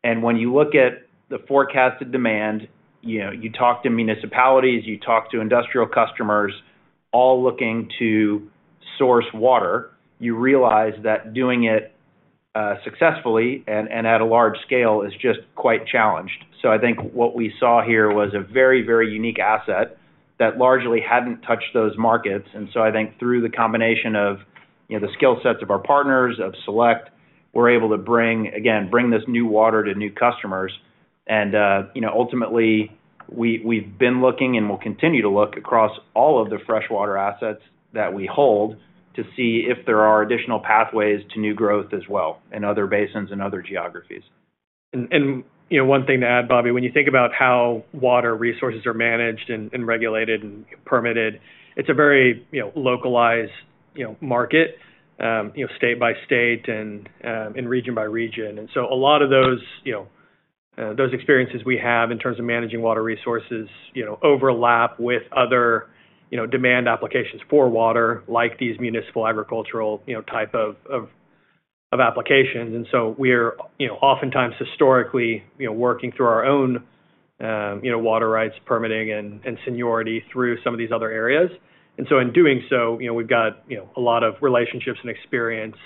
When you look at the forecasted demand, you talk to municipalities, you talk to industrial customers all looking to source water, you realize that doing it successfully and at a large scale is just quite challenged. I think what we saw here was a very, very unique asset that largely hadn't touched those markets. Through the combination of the skill sets of our partners, of Select, we're able to, again, bring this new water to new customers. And ultimately, we've been looking and will continue to look across all of the freshwater assets that we hold to see if there are additional pathways to new growth as well in other basins and other geographies. And one thing to add, Bobby, when you think about how water resources are managed and regulated and permitted, it's a very localized market, state-by-state and region-by-region. And so a lot of those experiences we have in terms of managing water resources overlap with other demand applications for water like these municipal agricultural type of applications. And so we're oftentimes historically working through our own water rights, permitting, and seniority through some of these other areas. And so in doing so, we've got a lot of relationships and experience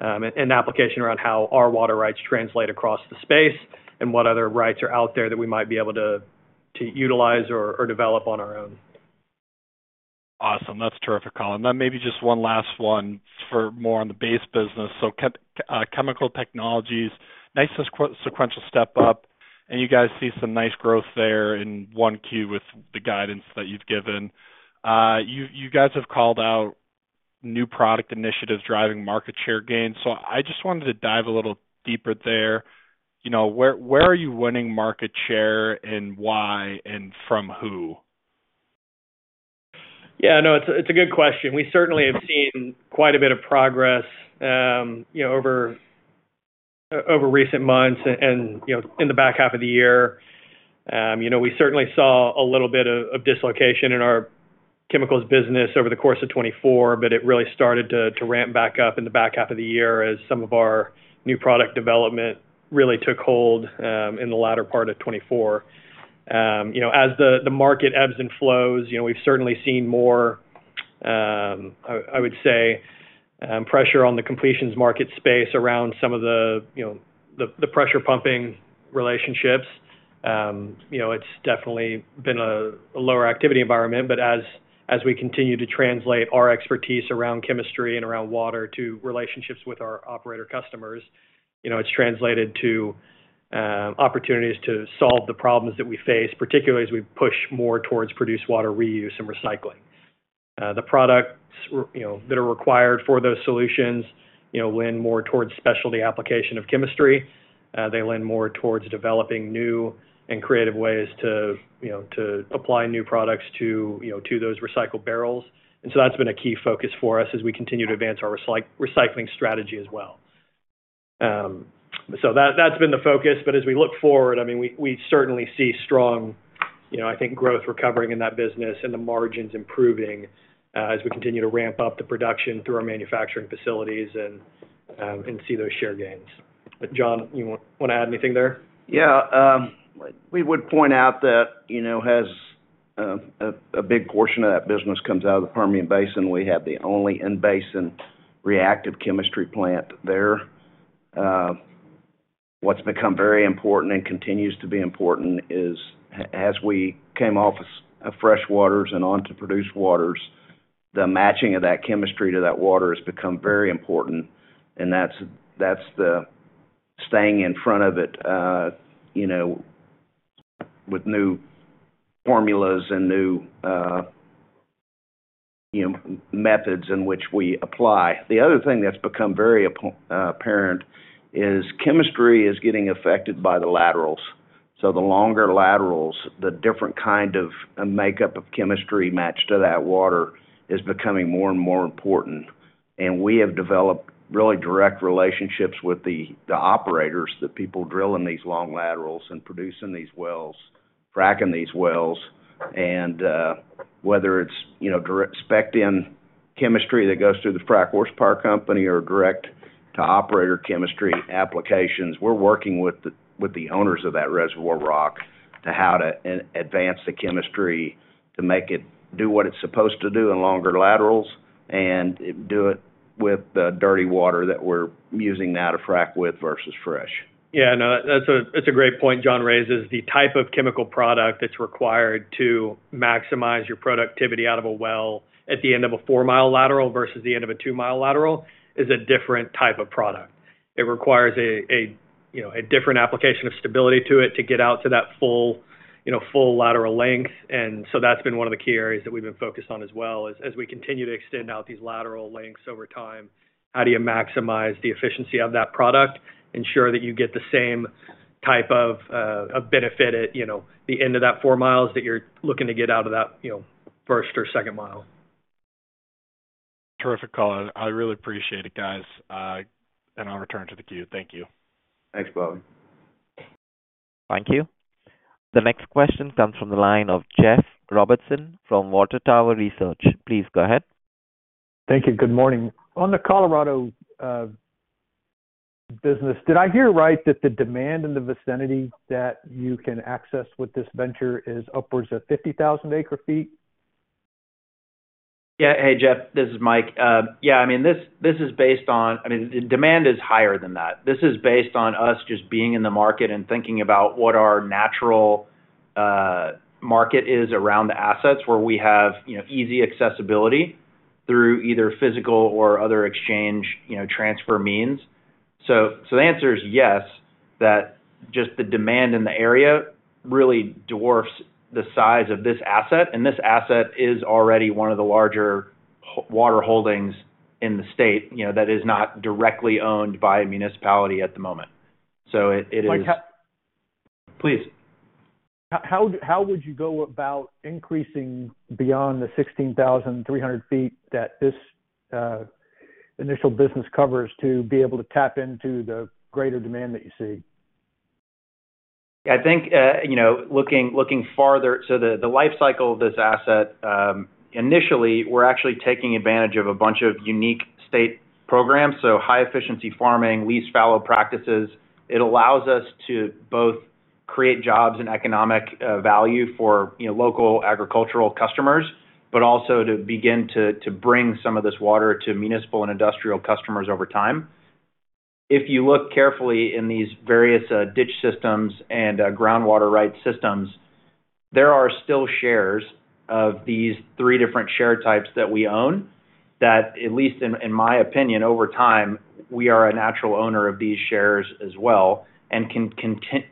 and application around how our water rights translate across the space and what other rights are out there that we might be able to utilize or develop on our own. Awesome. That's terrific coloring. Then maybe just one last one for more on the base business. So Chemical Technologies, nice sequential step up. And you guys see some nice growth there in 1Q with the guidance that you've given. You guys have called out new product initiatives driving market share gains. So I just wanted to dive a little deeper there. Where are you winning market share and why and from who? Yeah, no, it's a good question. We certainly have seen quite a bit of progress over recent months and in the back half of the year. We certainly saw a little bit of dislocation in our chemicals business over the course of 2024, but it really started to ramp back up in the back half of the year as some of our new product development really took hold in the latter part of 2024. As the market ebbs and flows, we've certainly seen more, I would say, pressure on the completions market space around some of the pressure pumping relationships. It's definitely been a lower activity environment, but as we continue to translate our expertise around chemistry and around water to relationships with our operator customers, it's translated to opportunities to solve the problems that we face, particularly as we push more towards produced water reuse and recycling. The products that are required for those solutions lend more towards specialty application of chemistry. They lend more towards developing new and creative ways to apply new products to those recycled barrels. And so that's been a key focus for us as we continue to advance our recycling strategy as well. So that's been the focus. But as we look forward, I mean, we certainly see strong, I think, growth recovering in that business and the margins improving as we continue to ramp up the production through our manufacturing facilities and see those share gains. But John, you want to add anything there? Yeah. We would point out that as a big portion of that business comes out of the Permian Basin, we have the only in-basin reactive chemistry plant there. What's become very important and continues to be important is as we came off of freshwaters and onto produced waters, the matching of that chemistry to that water has become very important, and that's the staying in front of it with new formulas and new methods in which we apply. The other thing that's become very apparent is chemistry is getting affected by the laterals. So the longer laterals, the different kind of makeup of chemistry matched to that water is becoming more and more important. And we have developed really direct relationships with the operators that people drill in these long laterals and produce in these wells, frac in these wells. Whether it's direct spec'd-in chemistry that goes through the frac horsepower company or direct to operator chemistry applications, we're working with the owners of that reservoir rock to how to advance the chemistry to make it do what it's supposed to do in longer laterals and do it with the dirty water that we're using now to frac with versus fresh. Yeah, no, that's a great point John raises. The type of chemical product that's required to maximize your productivity out of a well at the end of a four-mile lateral versus the end of a two-mile lateral is a different type of product. It requires a different application of stability to it to get out to that full lateral length. So that's been one of the key areas that we've been focused on as well as we continue to extend out these lateral lengths over time. How do you maximize the efficiency of that product? Ensure that you get the same type of benefit at the end of that four miles that you're looking to get out of that first or second mile. Terrific coloring. I really appreciate it, guys, and I'll return to the queue. Thank you. Thanks, Bobby. Thank you. The next question comes from the line of Jeff Robertson from Water Tower Research. Please go ahead. Thank you. Good morning. On the Colorado business, did I hear right that the demand in the vicinity that you can access with this venture is upwards of 50,000 acre-feet? Yeah. Hey, Jeff, this is Mike. Yeah, I mean, this is based on, I mean, the demand is higher than that. This is based on us just being in the market and thinking about what our natural market is around the assets where we have easy accessibility through either physical or other exchange transfer means, so the answer is yes, that just the demand in the area really dwarfs the size of this asset, and this asset is already one of the larger water holdings in the state that is not directly owned by a municipality at the moment, so it is. Mike. Please. How would you go about increasing beyond the 16,300 acre-feet that this initial business covers to be able to tap into the greater demand that you see? I think looking farther, so the life cycle of this asset, initially, we're actually taking advantage of a bunch of unique state programs, so high-efficiency farming, lease-fallow practices. It allows us to both create jobs and economic value for local agricultural customers, but also to begin to bring some of this water to municipal and industrial customers over time. If you look carefully in these various ditch systems and groundwater rights systems, there are still shares of these three different share types that we own that, at least in my opinion, over time, we are a natural owner of these shares as well and can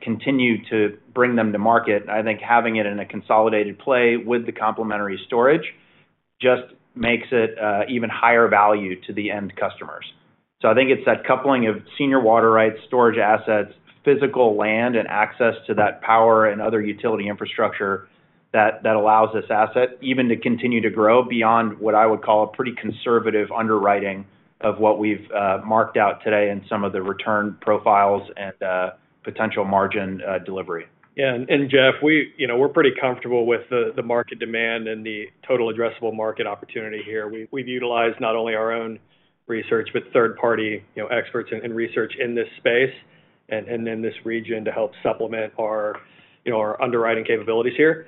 continue to bring them to market. I think having it in a consolidated play with the complementary storage just makes it even higher value to the end customers. So I think it's that coupling of senior water rights, storage assets, physical land, and access to that power and other utility infrastructure that allows this asset even to continue to grow beyond what I would call a pretty conservative underwriting of what we've marked out today and some of the return profiles and potential margin delivery. Yeah, and Jeff, we're pretty comfortable with the market demand and the total addressable market opportunity here. We've utilized not only our own research, but third-party experts and research in this space and in this region to help supplement our underwriting capabilities here,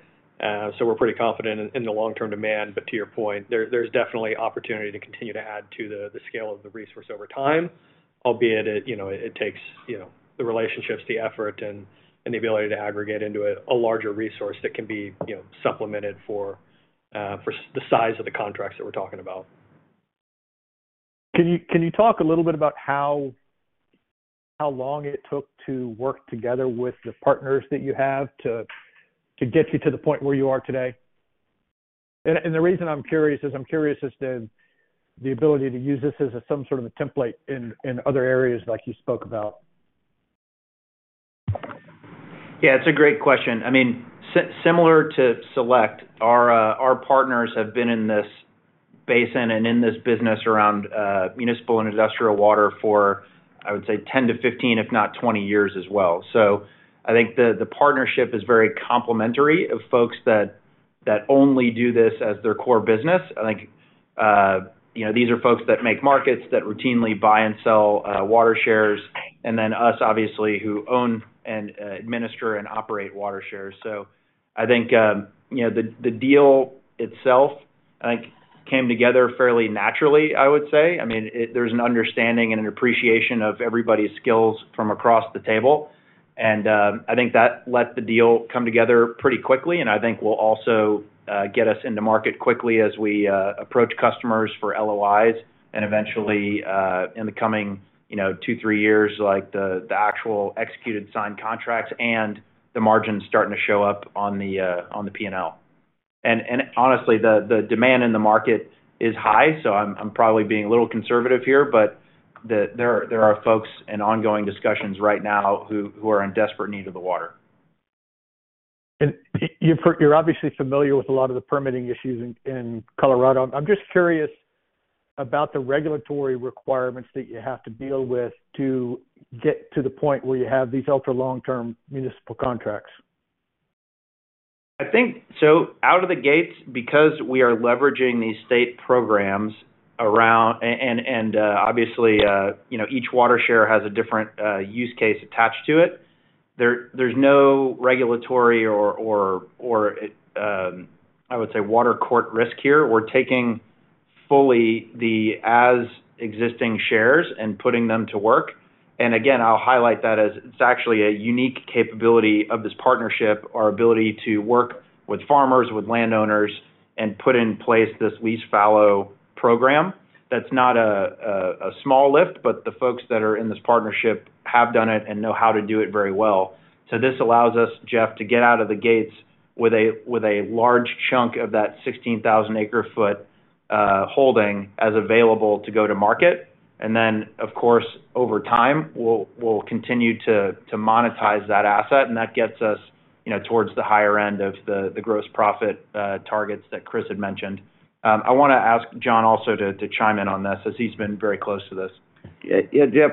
so we're pretty confident in the long-term demand. To your point, there's definitely opportunity to continue to add to the scale of the resource over time, albeit it takes the relationships, the effort, and the ability to aggregate into a larger resource that can be supplemented for the size of the contracts that we're talking about. Can you talk a little bit about how long it took to work together with the partners that you have to get you to the point where you are today? And the reason I'm curious is I'm curious as to the ability to use this as some sort of a template in other areas like you spoke about. Yeah, it's a great question. I mean, similar to Select, our partners have been in this basin and in this business around municipal and industrial water for, I would say, 10 to 15, if not 20 years as well. So I think the partnership is very complementary of folks that only do this as their core business. I think these are folks that make markets that routinely buy and sell water shares, and then us, obviously, who own and administer and operate water shares. So I think the deal itself, I think, came together fairly naturally, I would say. I mean, there's an understanding and an appreciation of everybody's skills from across the table. And I think that let the deal come together pretty quickly. And I think will also get us into market quickly as we approach customers for LOIs and eventually in the coming two, three years, like the actual executed signed contracts and the margins starting to show up on the P&L. And honestly, the demand in the market is high. I'm probably being a little conservative here, but there are folks in ongoing discussions right now who are in desperate need of the water. You're obviously familiar with a lot of the permitting issues in Colorado. I'm just curious about the regulatory requirements that you have to deal with to get to the point where you have these ultra long-term municipal contracts. Out of the gates, because we are leveraging these state programs around, and obviously, each water share has a different use case attached to it, there's no regulatory or, I would say, water court risk here. We're taking fully the as-existing shares and putting them to work. And again, I'll highlight that as it's actually a unique capability of this partnership, our ability to work with farmers, with landowners, and put in place this lease-fallow program. That's not a small lift, but the folks that are in this partnership have done it and know how to do it very well. So this allows us, Jeff, to get out of the gates with a large chunk of that 16,000 acre-feet holding as available to go to market. And then, of course, over time, we'll continue to monetize that asset, and that gets us towards the higher end of the gross profit targets that Chris had mentioned. I want to ask John also to chime in on this as he's been very close to this. Yeah, Jeff,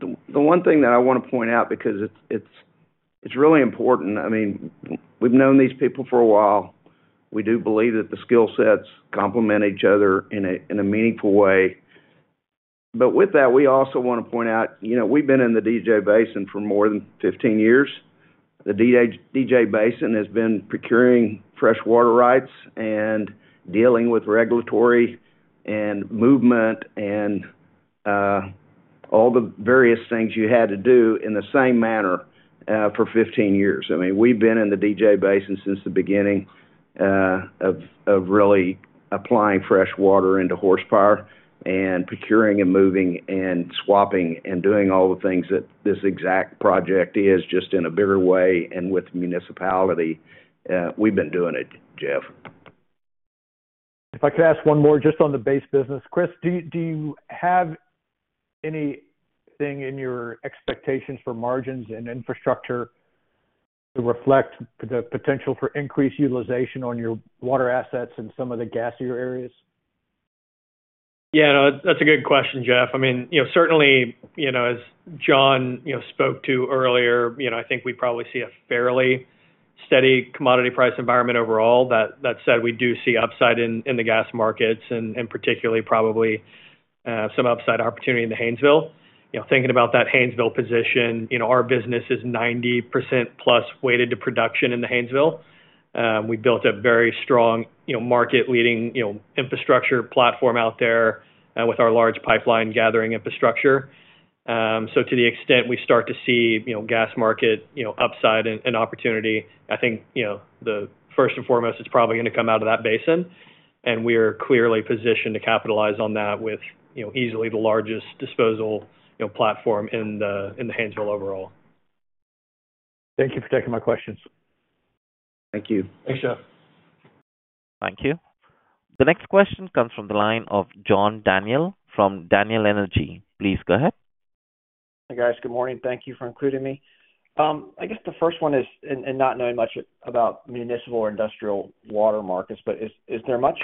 the one thing that I want to point out because it's really important, I mean, we've known these people for a while. We do believe that the skill sets complement each other in a meaningful way. But with that, we also want to point out we've been in the DJ Basin for more than 15 years. The DJ Basin has been procuring freshwater rights and dealing with regulatory and movement and all the various things you had to do in the same manner for 15 years. I mean, we've been in the DJ Basin since the beginning of really applying freshwater into horsepower and procuring and moving and swapping and doing all the things that this exact project is just in a bigger way and with municipality. We've been doing it, Jeff. If I could ask one more just on the base business, Chris, do you have anything in your expectations for margins and infrastructure to reflect the potential for increased utilization on your water assets in some of the gassier areas? Yeah, that's a good question, Jeff. I mean, certainly, as John spoke to earlier, I think we probably see a fairly steady commodity price environment overall. That said, we do see upside in the gas markets and particularly probably some upside opportunity in the Haynesville. Thinking about that Haynesville position, our business is 90%+ weighted to production in the Haynesville. We built a very strong market-leading infrastructure platform out there with our large pipeline gathering infrastructure. So to the extent we start to see gas market upside and opportunity, I think the first and foremost, it's probably going to come out of that basin. And we are clearly positioned to capitalize on that with easily the largest disposal platform in the Haynesville overall. Thank you for taking my questions. Thank you. Thanks, Jeff. Thank you. The next question comes from the line of John Daniel from Daniel Energy. Please go ahead. Hey, guys. Good morning. Thank you for including me. I guess the first one is, and not knowing much about municipal or industrial water markets, but is there much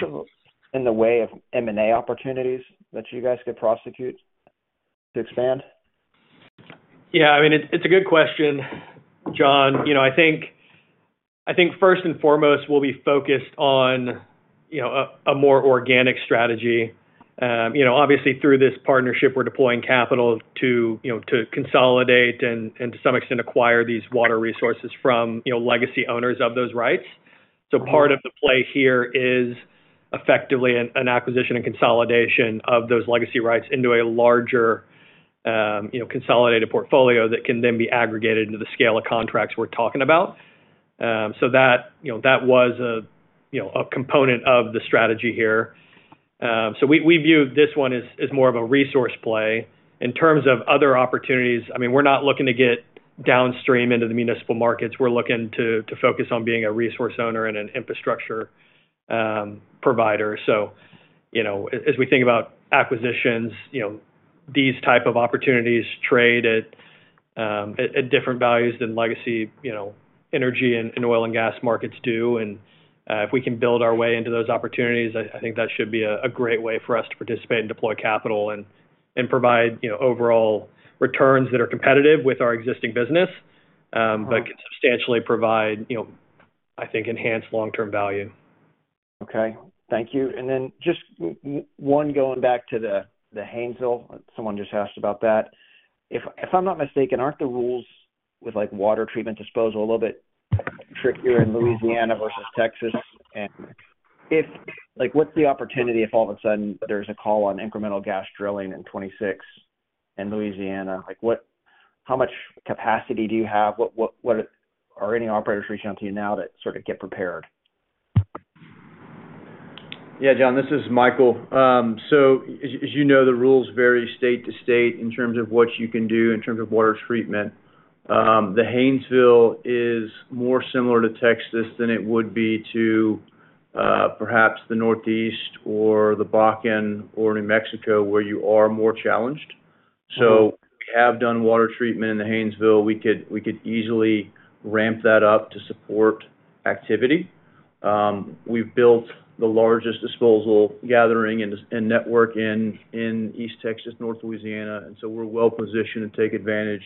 in the way of M&A opportunities that you guys could prosecute to expand? Yeah. I mean, it's a good question, John. I think first and foremost, we'll be focused on a more organic strategy. Obviously, through this partnership, we're deploying capital to consolidate and to some extent acquire these water resources from legacy owners of those rights. So part of the play here is effectively an acquisition and consolidation of those legacy rights into a larger consolidated portfolio that can then be aggregated into the scale of contracts we're talking about. So that was a component of the strategy here. So we view this one as more of a resource play. In terms of other opportunities, I mean, we're not looking to get downstream into the municipal markets. We're looking to focus on being a resource owner and an infrastructure provider. So as we think about acquisitions, these type of opportunities trade at different values than legacy energy and oil and gas markets do. And if we can build our way into those opportunities, I think that should be a great way for us to participate and deploy capital and provide overall returns that are competitive with our existing business, but can substantially provide, I think, enhanced long-term value. Okay. Thank you. And then just one going back to the Haynesville, someone just asked about that. If I'm not mistaken, aren't the rules with water treatment disposal a little bit trickier in Louisiana versus Texas? What's the opportunity if all of a sudden there's a call on incremental gas drilling in 2026 in Louisiana? How much capacity do you have? Are any operators reaching out to you now to sort of get prepared? Yeah, John, this is Michael. So as you know, the rules vary state-to-state in terms of what you can do in terms of water treatment. The Haynesville is more similar to Texas than it would be to perhaps the Northeast or the Bakken or New Mexico, where you are more challenged. So we have done water treatment in the Haynesville. We could easily ramp that up to support activity. We've built the largest disposal gathering and network in East Texas, North Louisiana. So we're well positioned to take advantage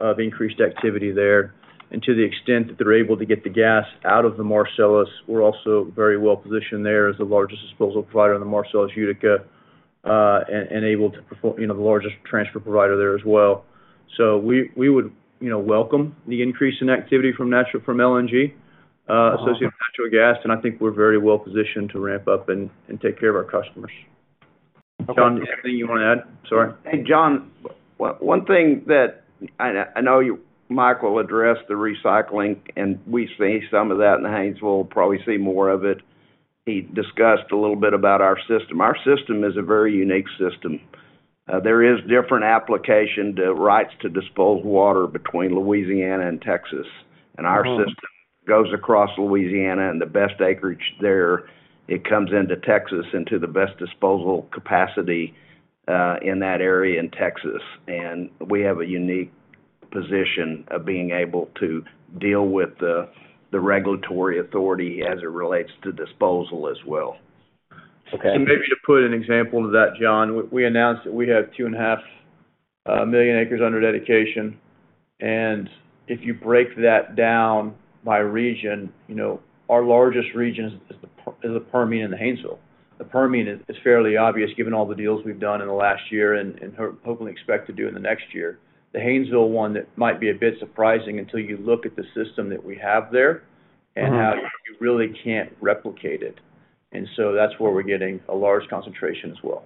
of increased activity there. And to the extent that they're able to get the gas out of the Marcellus, we're also very well positioned there as the largest disposal provider in the Marcellus/Utica and able to perform the largest transfer provider there as well. So we would welcome the increase in activity from LNG, associated with natural gas. And I think we're very well positioned to ramp up and take care of our customers. John, anything you want to add? Sorry. Hey, John, one thing that I know Michael addressed the recycling, and we see some of that in the Haynesville, probably see more of it. He discussed a little bit about our system. Our system is a very unique system. There is different application rights to dispose water between Louisiana and Texas. Our system goes across Louisiana, and the best acreage there. It comes into Texas into the best disposal capacity in that area in Texas. We have a unique position of being able to deal with the regulatory authority as it relates to disposal as well. Maybe to put an example of that, John, we announced that we have 2.5 million acres under dedication. If you break that down by region, our largest region is the Permian and the Haynesville. The Permian is fairly obvious given all the deals we've done in the last year and hopefully expect to do in the next year. The Haynesville one that might be a bit surprising until you look at the system that we have there and how you really can't replicate it. That's where we're getting a large concentration as well.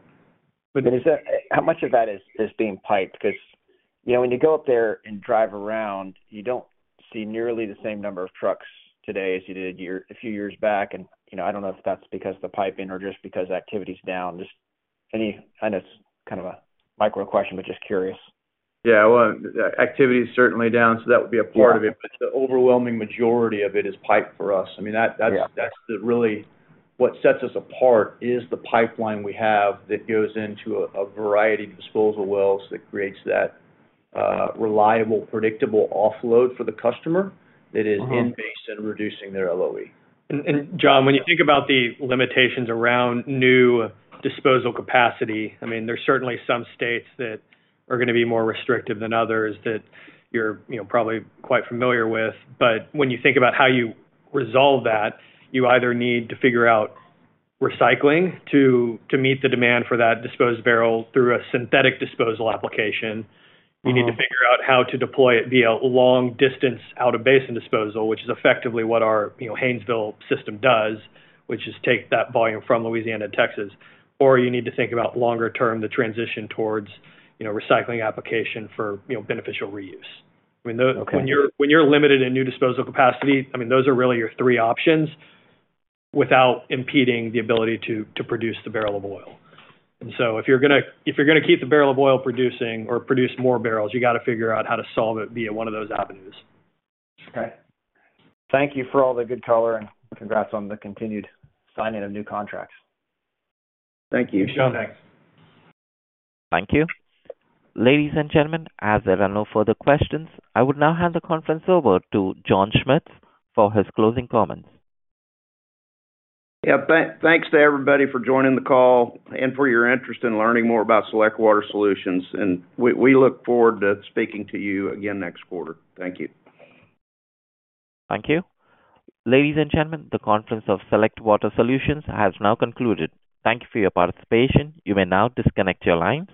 How much of that is being piped? Because when you go up there and drive around, you don't see nearly the same number of trucks today as you did a few years back. And I don't know if that's because the piping or just because activity is down. Just kind of a micro question, but just curious. Yeah. Well, activity is certainly down. So that would be a part of it. But the overwhelming majority of it is piped for us. I mean, that's really what sets us apart is the pipeline we have that goes into a variety of disposal wells that creates that reliable, predictable offload for the customer that is in-basin and reducing their LOE. John, when you think about the limitations around new disposal capacity, I mean, there's certainly some states that are going to be more restrictive than others that you're probably quite familiar with. When you think about how you resolve that, you either need to figure out recycling to meet the demand for that disposed barrel through a synthetic disposal application. You need to figure out how to deploy it via long-distance out-of-basin disposal, which is effectively what our Haynesville system does, which is take that volume from Louisiana to Texas, or you need to think about longer-term the transition towards recycling application for beneficial reuse. I mean, when you're limited in new disposal capacity, I mean, those are really your three options without impeding the ability to produce the barrel of oil. And so if you're going to keep the barrel of oil producing or produce more barrels, you got to figure out how to solve it via one of those avenues. Okay. Thank you for all the good color and congrats on the continued signing of new contracts. Thank you. Thanks, John. Thanks. Thank you. Ladies and gentlemen, as there are no further questions, I would now hand the conference over to John Schmitz for his closing comments. Yeah. Thanks to everybody for joining the call and for your interest in learning more about Select Water Solutions. And we look forward to speaking to you again next quarter. Thank you. Thank you. Ladies and gentlemen, the conference of Select Water Solutions has now concluded. Thank you for your participation. You may now disconnect your lines.